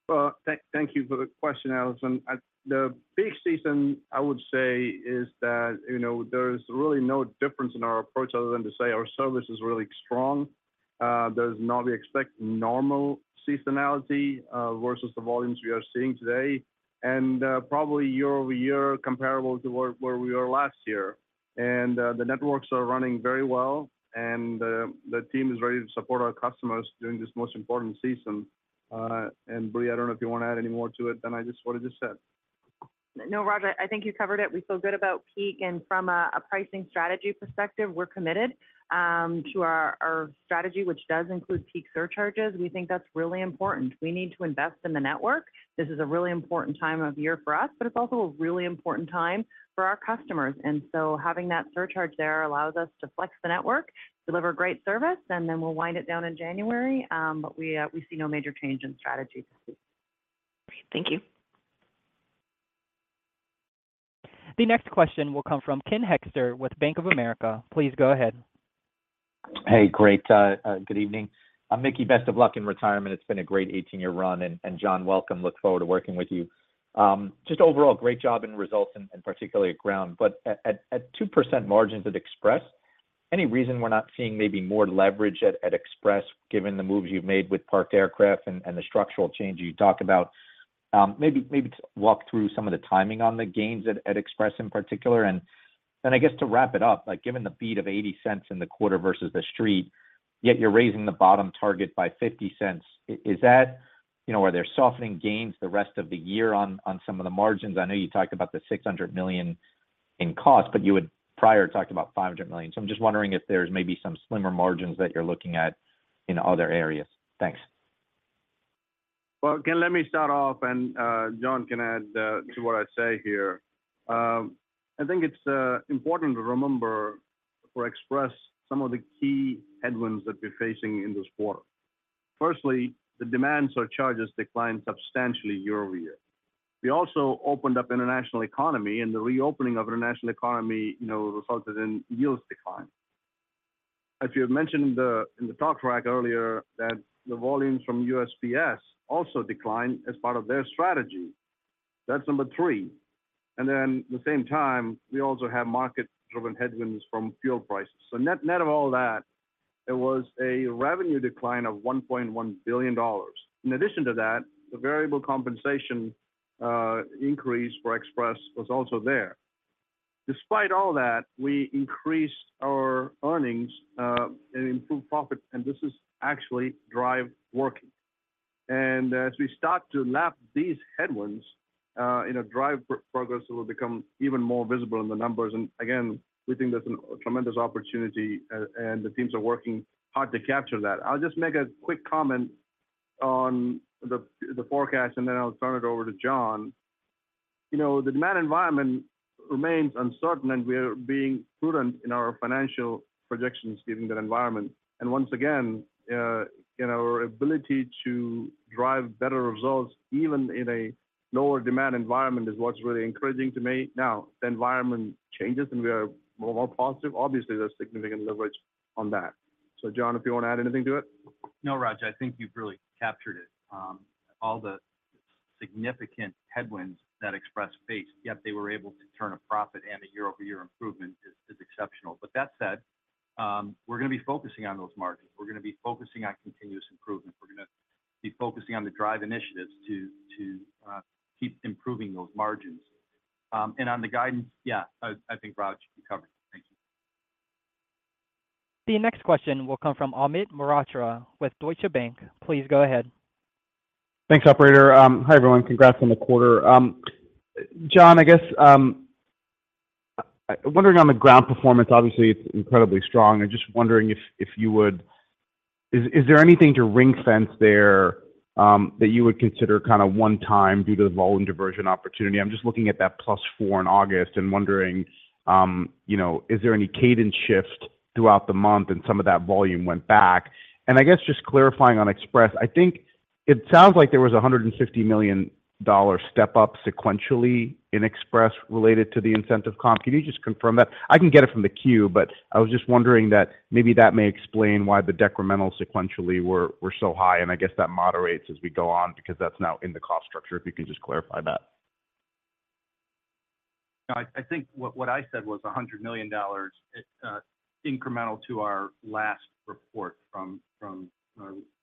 Well, thank you for the question, Allison. The peak season, I would say, is that, you know, there's really no difference in our approach other than to say our service is really strong. There's not... We expect normal seasonality, you know, versus the volumes we are seeing today, and probably year-over-year comparable to where we were last year. The networks are running very well, and the team is ready to support our customers during this most important season. Brie, I don't know if you want to add any more to it than just what I just said. No, Raj, I think you covered it. We feel good about peak, and from a pricing strategy perspective, we're committed to our strategy, which does include Peak Surcharges. We think that's really important. We need to invest in the network. This is a really important time of year for us, but it's also a really important time for our customers. And so having that surcharge there allows us to flex the network, deliver great service, and then we'll wind it down in January. But we see no major change in strategy this year. Thank you. The next question will come from Ken Hoexter with Bank of America. Please go ahead. Hey, great. Good evening. Mickey, best of luck in retirement. It's been a great 18-year run. John, welcome. Look forward to working with you. Just overall, great job and results, and particularly at Ground. At 2% margins at Express, any reason we're not seeing maybe more leverage at Express, given the moves you've made with parked aircraft and the structural change you talked about? Maybe just walk through some of the timing on the gains at Express in particular. I guess to wrap it up, like, given the beat of $0.80 in the quarter versus the street, yet you're raising the bottom target by $0.50, is that, you know, where they're softening gains the rest of the year on some of the margins? I know you talked about the $600 million in cost, but you had prior talked about $500 million. So I'm just wondering if there's maybe some slimmer margins that you're looking at in other areas. Thanks. Well, Ken, let me start off, and John can add to what I say here. I think it's important to remember, for Express, some of the key headwinds that we're facing in this quarter. Firstly, the demand surcharges declined substantially year-over-year. We also opened up International Economy, and the reopening of International Economy, you know, resulted in yields decline. As you have mentioned in the, in the talk track earlier, that the volumes from USPS also declined as part of their strategy. That's number three. And then the same time, we also have market-driven headwinds from fuel prices. So net, net of all that, there was a revenue decline of $1.1 billion. In addition to that, the variable compensation increase for Express was also there. Despite all that, we increased our earnings and improved profit, and this is actually DRIVE working. And as we start to lap these headwinds in DRIVE progress, it will become even more visible in the numbers. And again, we think there's a tremendous opportunity, and the teams are working hard to capture that. I'll just make a quick comment on the forecast, and then I'll turn it over to John. You know, the demand environment remains uncertain, and we are being prudent in our financial projections given that environment. And once again, you know, our ability to drive better results, even in a lower demand environment, is what's really encouraging to me. Now, the environment changes, and we are more positive. Obviously, there's significant leverage on that. So John, if you want to add anything to it? No, Raj, I think you've really captured it. All the significant headwinds that Express faced, yet they were able to turn a profit and a year-over-year improvement is exceptional. But that said, we're going to be focusing on those markets. We're going to be focusing on continuous improvement. We're going to be focusing on the DRIVE initiatives to keep improving those margins. And on the guidance, yeah, I think Raj, you covered it. Thank you. The next question will come from Amit Mehrotra with Deutsche Bank. Please go ahead. Thanks, operator. Hi, everyone. Congrats on the quarter. John, I guess, wondering on the Ground performance, obviously, it's incredibly strong. I'm just wondering if you would... Is there anything to ring-fence there that you would consider kind of one time due to the volume diversion opportunity? I'm just looking at that +4 in August and wondering, you know, is there any cadence shift throughout the month and some of that volume went back? And I guess just clarifying on Express, I think it sounds like there was a $150 million step-up sequentially in Express related to the incentive comp. Can you just confirm that? I can get it from the Q, but I was just wondering that maybe that may explain why the decrementals sequentially were so high, and I guess that moderates as we go on because that's now in the cost structure, if you can just clarify that. No, I think what I said was $100 million incremental to our last report from the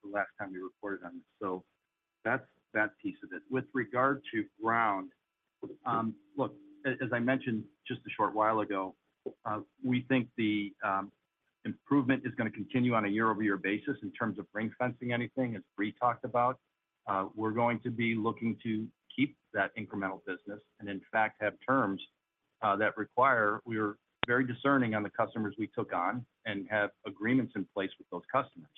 last time we reported on this. So that's that piece of it. With regard to Ground, look, as I mentioned just a short while ago, we think the improvement is gonna continue on a year-over-year basis in terms of ring-fencing anything, as Brie talked about. We're going to be looking to keep that incremental business and, in fact, have terms that require - We are very discerning on the customers we took on and have agreements in place with those customers.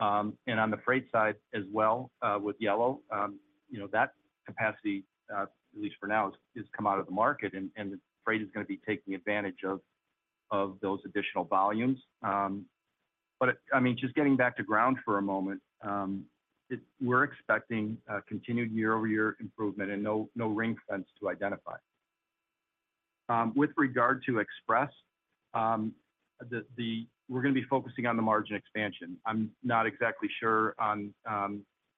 And on the Freight side as well, with Yellow, you know, that capacity, at least for now, is come out of the market, and the Freight is gonna be taking advantage of, of those additional volumes. But, I mean, just getting back to Ground for a moment, we're expecting a continued year-over-year improvement and no ring fence to identify. With regard to Express, we're gonna be focusing on the margin expansion. I'm not exactly sure on,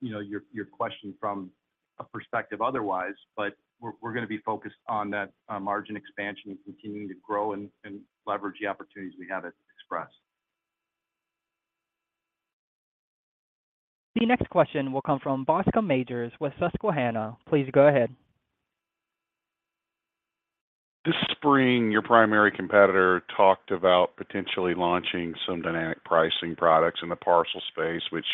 you know, your question from a perspective otherwise, but we're gonna be focused on that margin expansion and continuing to grow and leverage the opportunities we have at Express. The next question will come from Bascome Majors with Susquehanna. Please go ahead. This spring, your primary competitor talked about potentially launching some dynamic pricing products in the parcel space, which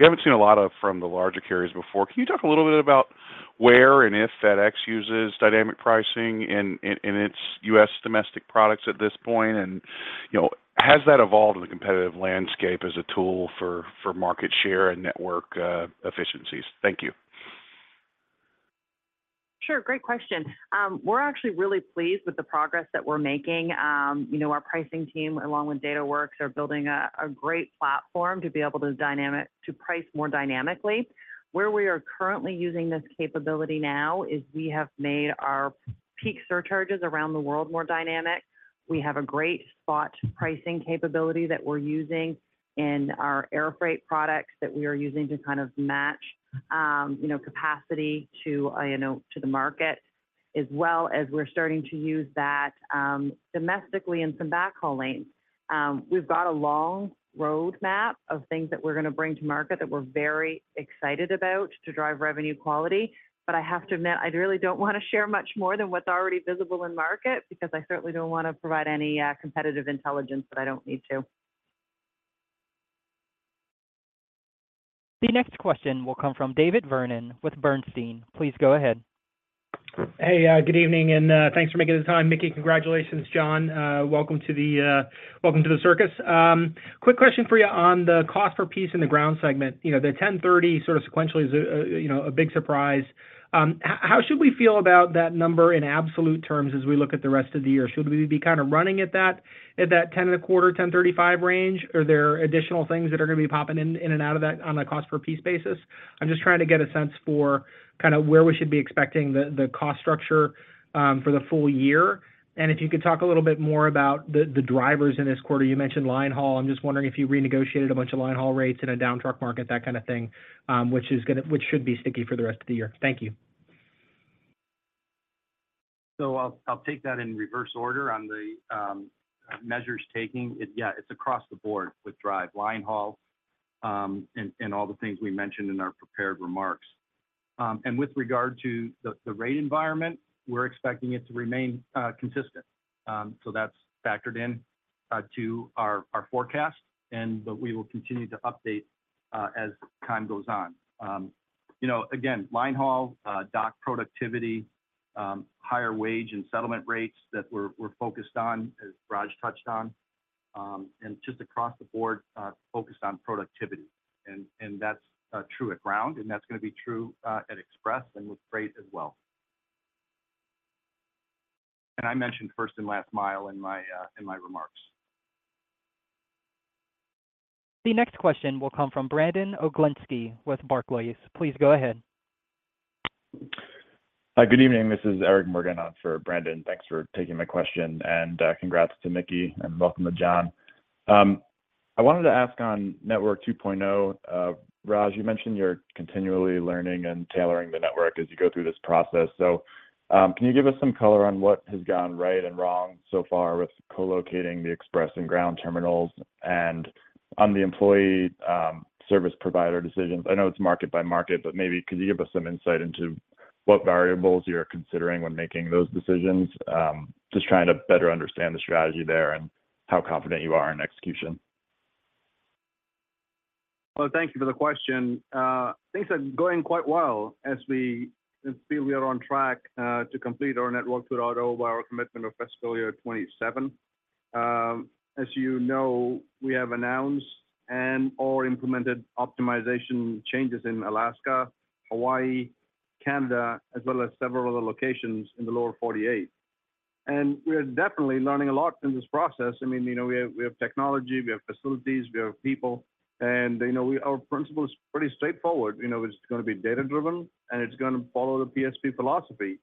we haven't seen a lot of from the larger carriers before. Can you talk a little bit about where and if FedEx uses dynamic pricing in its U.S. domestic products at this point? And, you know, has that evolved in the competitive landscape as a tool for market share and network efficiencies? Thank you. Sure. Great question. We're actually really pleased with the progress that we're making. You know, our pricing team, along with Dataworks, are building a great platform to be able to price more dynamically. Where we are currently using this capability now is we have made our peak surcharges around the world more dynamic. We have a great spot pricing capability that we're using in our air Freight products that we are using to kind of match, you know, capacity to, you know, to the market, as well as we're starting to use that domestically in some backhaul lanes. We've got a long roadmap of things that we're gonna bring to market that we're very excited about to drive revenue quality. But I have to admit, I really don't wanna share much more than what's already visible in market, because I certainly don't wanna provide any, competitive intelligence that I don't need to. The next question will come from David Vernon with Bernstein. Please go ahead. Hey, good evening, and, thanks for making the time. Mickey, congratulations. John, welcome to the circus. Quick question for you on the cost per piece in the Ground segment. You know, the $10.30 sort of sequentially is a, you know, a big surprise. How should we feel about that number in absolute terms as we look at the rest of the year? Should we be kind of running at that, at that $10.25, $10.35 range, or are there additional things that are gonna be popping in, in and out of that on a cost per piece basis? I'm just trying to get a sense for kind of where we should be expecting the cost structure for the full year. If you could talk a little bit more about the drivers in this quarter. You mentioned linehaul. I'm just wondering if you renegotiated a bunch of linehaul rates in a down truck market, that kind of thing, which is gonna-- which should be sticky for the rest of the year. Thank you. So I'll take that in reverse order on the measures taking. Yeah, it's across the board with DRIVE linehaul and all the things we mentioned in our prepared remarks. And with regard to the rate environment, we're expecting it to remain consistent. So that's factored in to our forecast, and but we will continue to update as time goes on. You know, again, linehaul, dock productivity, higher wage and settlement rates that we're focused on, as Raj touched on. And just across the board, focused on productivity. And that's true at Ground, and that's gonna be true at Express and with Freight as well. And I mentioned first and last mile in my remarks. The next question will come from Brandon Oglenski with Barclays. Please go ahead. Hi, good evening. This is Eric Morgan on for Brandon. Thanks for taking my question, and congrats to Mickey, and welcome to John. I wanted to ask on Network 2.0. Raj, you mentioned you're continually learning and tailoring the network as you go through this process. Can you give us some color on what has gone right and wrong so far with co-locating the Express and Ground terminals? On the employee, service provider decisions, I know it's market by market, but maybe could you give us some insight into what variables you're considering when making those decisions? Just trying to better understand the strategy there and how confident you are in execution. Well, thank you for the question. Things are going quite well as we-- and still we are on track to complete our Network 2.0 by our commitment of fiscal year 2027. As you know, we have announced and/or implemented optimization changes in Alaska, Hawaii, Canada, as well as several other locations in the Lower 48. And we are definitely learning a lot in this process. I mean, you know, we have, we have technology, we have facilities, we have people, and, you know, we-- our principle is pretty straightforward. You know, it's gonna be data-driven, and it's gonna follow the PSP philosophy.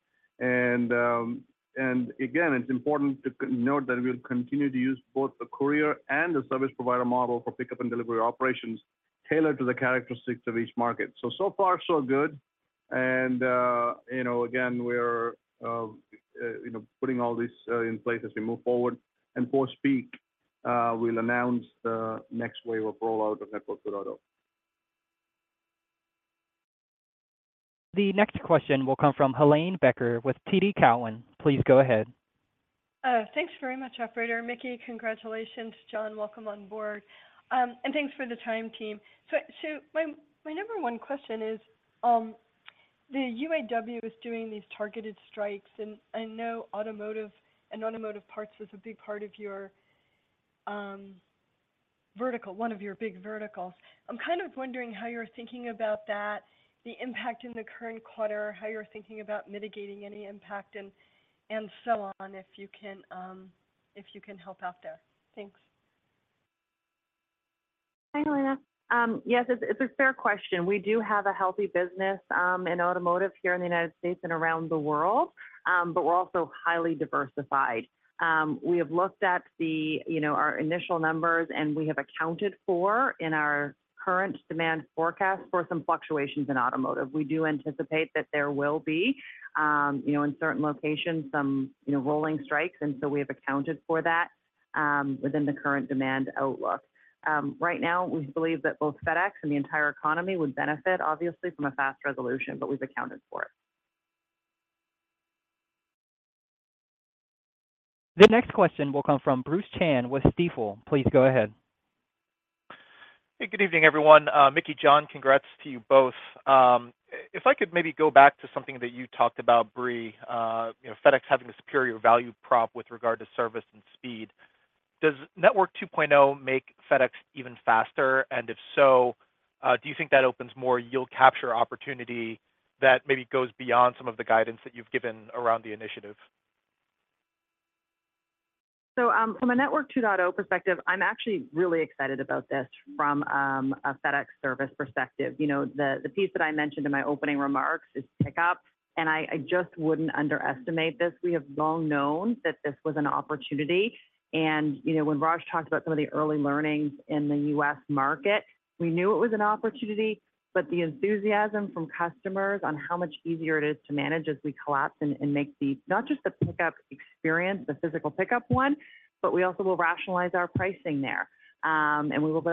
And again, it's important to note that we'll continue to use both the courier and the service provider model for pickup and delivery operations, tailored to the characteristics of each market. So far so good. You know, again, we're putting all this in place as we move forward. Post-peak, we'll announce the next wave of rollout of Network 2.0. The next question will come from Helane Becker with TD Cowen. Please go ahead. Thanks very much, operator. Mickey, congratulations. John, welcome on board. And thanks for the time, team. My number one question is, the UAW is doing these targeted strikes, and I know automotive and automotive parts is a big part of your vertical, one of your big verticals. I'm kind of wondering how you're thinking about that, the impact in the current quarter, how you're thinking about mitigating any impact, and, and so on, if you can, if you can help out there. Thanks. Hi, Helane. Yes, it's a fair question. We do have a healthy business in automotive here in the United States and around the world, but we're also highly diversified. We have looked at the, you know, our initial numbers, and we have accounted for, in our current demand forecast, for some fluctuations in automotive. We do anticipate that there will be, you know, in certain locations, some, you know, rolling strikes, and so we have accounted for that within the current demand outlook. Right now, we believe that both FedEx and the entire economy would benefit, obviously, from a fast resolution, but we've accounted for it. The next question will come from Bruce Chan with Stifel. Please go ahead. Hey, good evening, everyone. Mickey, John, congrats to you both. If I could maybe go back to something that you talked about, Brie, you know, FedEx having a superior value prop with regard to service and speed. Does Network 2.0 make FedEx even faster? If so, do you think that opens more yield capture opportunity that maybe goes beyond some of the guidance that you've given around the initiative? So, from a Network 2.0 perspective, I'm actually really excited about this from a FedEx service perspective. You know, the piece that I mentioned in my opening remarks is pickup, and I just wouldn't underestimate this. We have long known that this was an opportunity. And, you know, when Raj talked about some of the early learnings in the U.S. market, we knew it was an opportunity, but the enthusiasm from customers on how much easier it is to manage as we collapse and make the... not just the pickup experience, the physical pickup one, but we also will rationalize our pricing there. And we will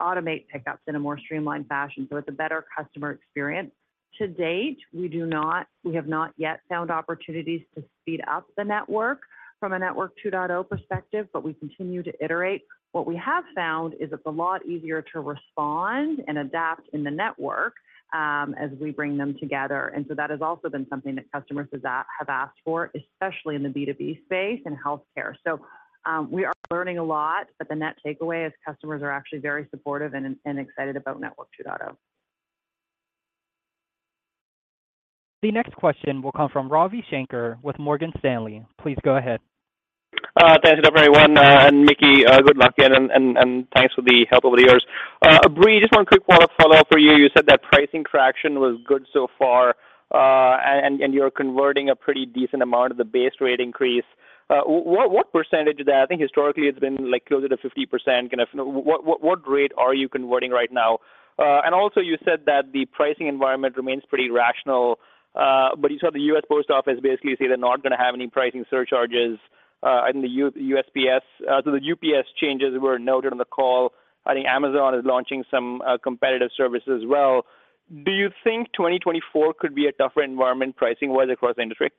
automate pickups in a more streamlined fashion, so it's a better customer experience. To date, we do not—we have not yet found opportunities to speed up the network from a Network 2.0 perspective, but we continue to iterate. What we have found is it's a lot easier to respond and adapt in the network as we bring them together. And so that has also been something that customers have asked for, especially in the B2B space and healthcare. So, we are learning a lot, but the net takeaway is customers are actually very supportive and excited about Network 2.0. The next question will come from Ravi Shanker with Morgan Stanley. Please go ahead. Thanks, everyone, and Mickey, good luck again, and thanks for the help over the years. Brie, just one quick follow-up for you. You said that pricing traction was good so far, and you're converting a pretty decent amount of the base rate increase. What percentage of that? I think historically, it's been, like, closer to 50%, kind of. What rate are you converting right now? And also, you said that the pricing environment remains pretty rational, but you saw the U.S. Postal Service basically say they're not gonna have any pricing surcharges, and the USPS. So the UPS changes were noted on the call. I think Amazon is launching some competitive services as well. Do you think 2024 could be a tougher environment pricing-wise across the industry?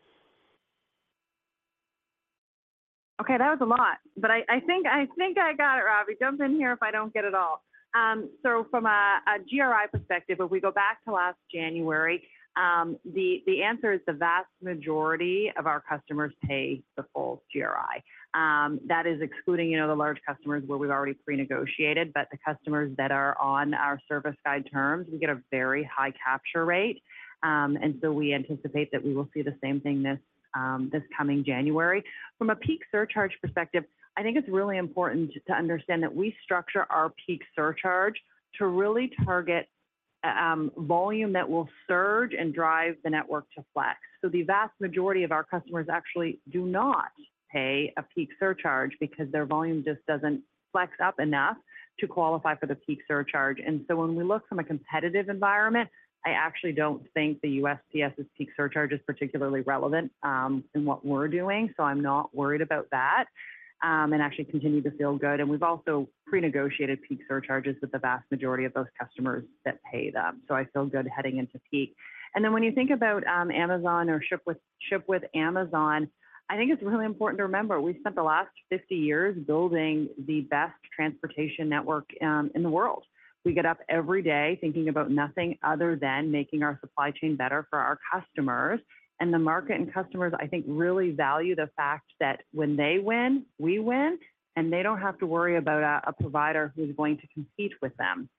Okay, that was a lot, but I think I got it, Ravi. Jump in here if I don't get it all. So from a GRI perspective, if we go back to last January, the answer is the vast majority of our customers pay the full GRI. That is excluding, you know, the large customers where we've already prenegotiated. The customers that are on our Service Guide terms, we get a very high capture rate, and we anticipate that we will see the same thing this coming January. From a peak surcharge perspective, I think it's really important to understand that we structure our peak surcharge to really target volume that will surge and drive the network to flex. So the vast majority of our customers actually do not pay a peak surcharge because their volume just doesn't flex up enough to qualify for the peak surcharge. And so when we look from a competitive environment, I actually don't think the USPS's peak surcharge is particularly relevant in what we're doing, so I'm not worried about that, and actually continue to feel good. And we've also prenegotiated peak surcharges with the vast majority of those customers that pay them. So I feel good heading into peak. And then when you think about Amazon or Ship with, Ship with Amazon, I think it's really important to remember, we've spent the last 50 years building the best transportation network in the world. We get up every day thinking about nothing other than making our supply chain better for our customers, and the market and customers, I think, really value the fact that when they win, we win, and they don't have to worry about a provider who's going to compete with them.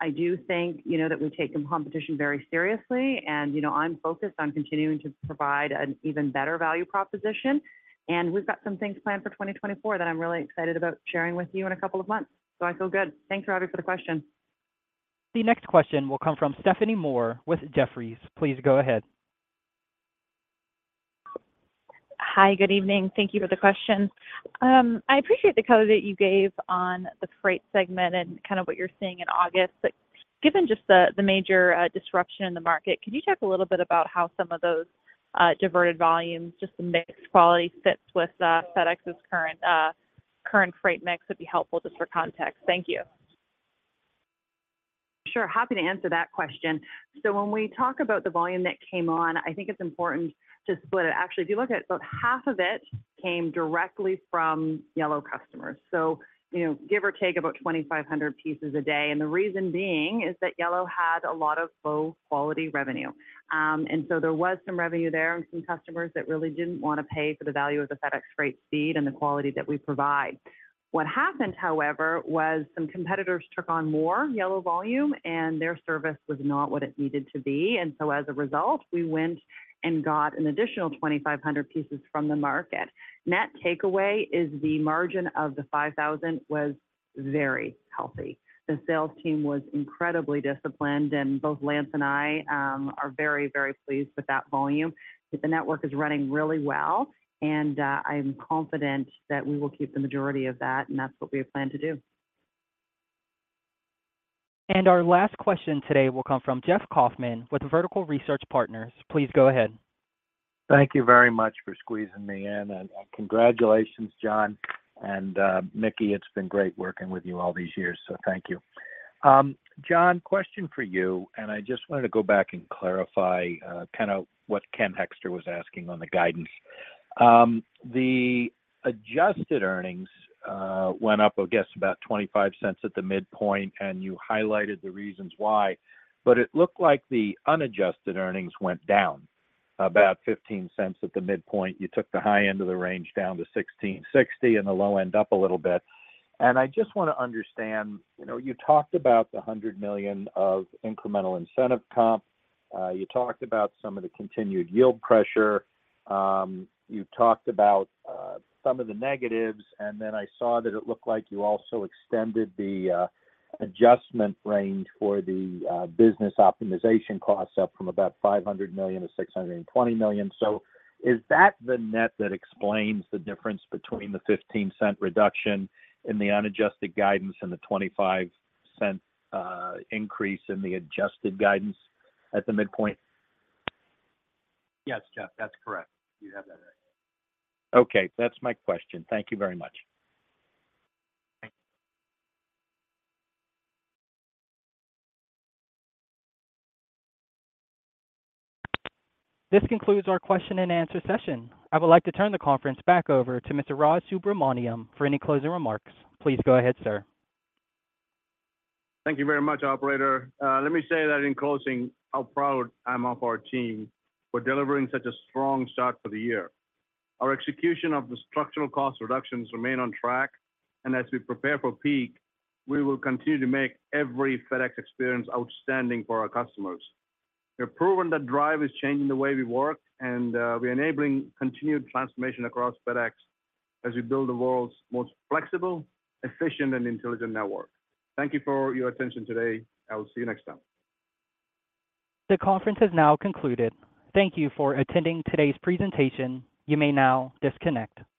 I do think, you know, that we're taking competition very seriously, and, you know, I'm focused on continuing to provide an even better value proposition. And we've got some things planned for 2024 that I'm really excited about sharing with you in a couple of months. So I feel good. Thanks, Ravi, for the question. The next question will come from Stephanie Moore with Jefferies. Please go ahead. Hi, good evening. Thank you for the question. I appreciate the color that you gave on the Freight segment and kind of what you're seeing in August. But given just the major disruption in the market, could you talk a little bit about how some of those diverted volumes, just the mix quality, fits with FedEx's current Freight mix would be helpful just for context. Thank you. Sure, happy to answer that question. So when we talk about the volume that came on, I think it's important to split it. Actually, if you look at it, about half of it came directly from Yellow customers. So, you know, give or take, about 2,500 pieces a day. And the reason being is that Yellow had a lot of low-quality revenue. And so there was some revenue there and some customers that really didn't want to pay for the value of the FedEx rate speed and the quality that we provide. What happened, however, was some competitors took on more Yellow volume, and their service was not what it needed to be. And so as a result, we went and got an additional 2,500 pieces from the market. Net takeaway is the margin of the 5,000 was very healthy. The sales team was incredibly disciplined, and both Lance and I are very, very pleased with that volume, that the network is running really well, and I'm confident that we will keep the majority of that, and that's what we plan to do. Our last question today will come from Jeff Kauffman with Vertical Research Partners. Please go ahead. Thank you very much for squeezing me in. Congratulations, John and Mickey. It's been great working with you all these years, so thank you. John, question for you, and I just wanted to go back and clarify kinda what Ken Hoexter was asking on the guidance. The adjusted earnings went up, I guess, about $0.25 at the midpoint, and you highlighted the reasons why, but it looked like the unadjusted earnings went down about $0.15 at the midpoint. You took the high end of the range down to $16.60 and the low end up a little bit. And I just want to understand. You know, you talked about the $100 million of incremental incentive comp. You talked about some of the continued yield pressure. You talked about some of the negatives, and then I saw that it looked like you also extended the adjustment range for the business optimization costs up from about $500 million-$620 million. So is that the net that explains the difference between the $0.15 reduction in the unadjusted guidance and the $0.25 increase in the adjusted guidance at the midpoint? Yes, Jeff, that's correct. You have that right. Okay. That's my question. Thank you very much. Thanks. This concludes our question-and-answer session. I would like to turn the conference back over to Mr. Raj Subramaniam for any closing remarks. Please go ahead, sir. Thank you very much, operator. Let me say that in closing, how proud I'm of our team for delivering such a strong start to the year. Our execution of the structural cost reductions remain on track, and as we prepare for peak, we will continue to make every FedEx experience outstanding for our customers. We have proven that DRIVE is changing the way we work, and we're enabling continued transformation across FedEx as we build the world's most flexible, efficient, and intelligent network. Thank you for your attention today. I will see you next time. The conference has now concluded. Thank you for attending today's presentation. You may now disconnect.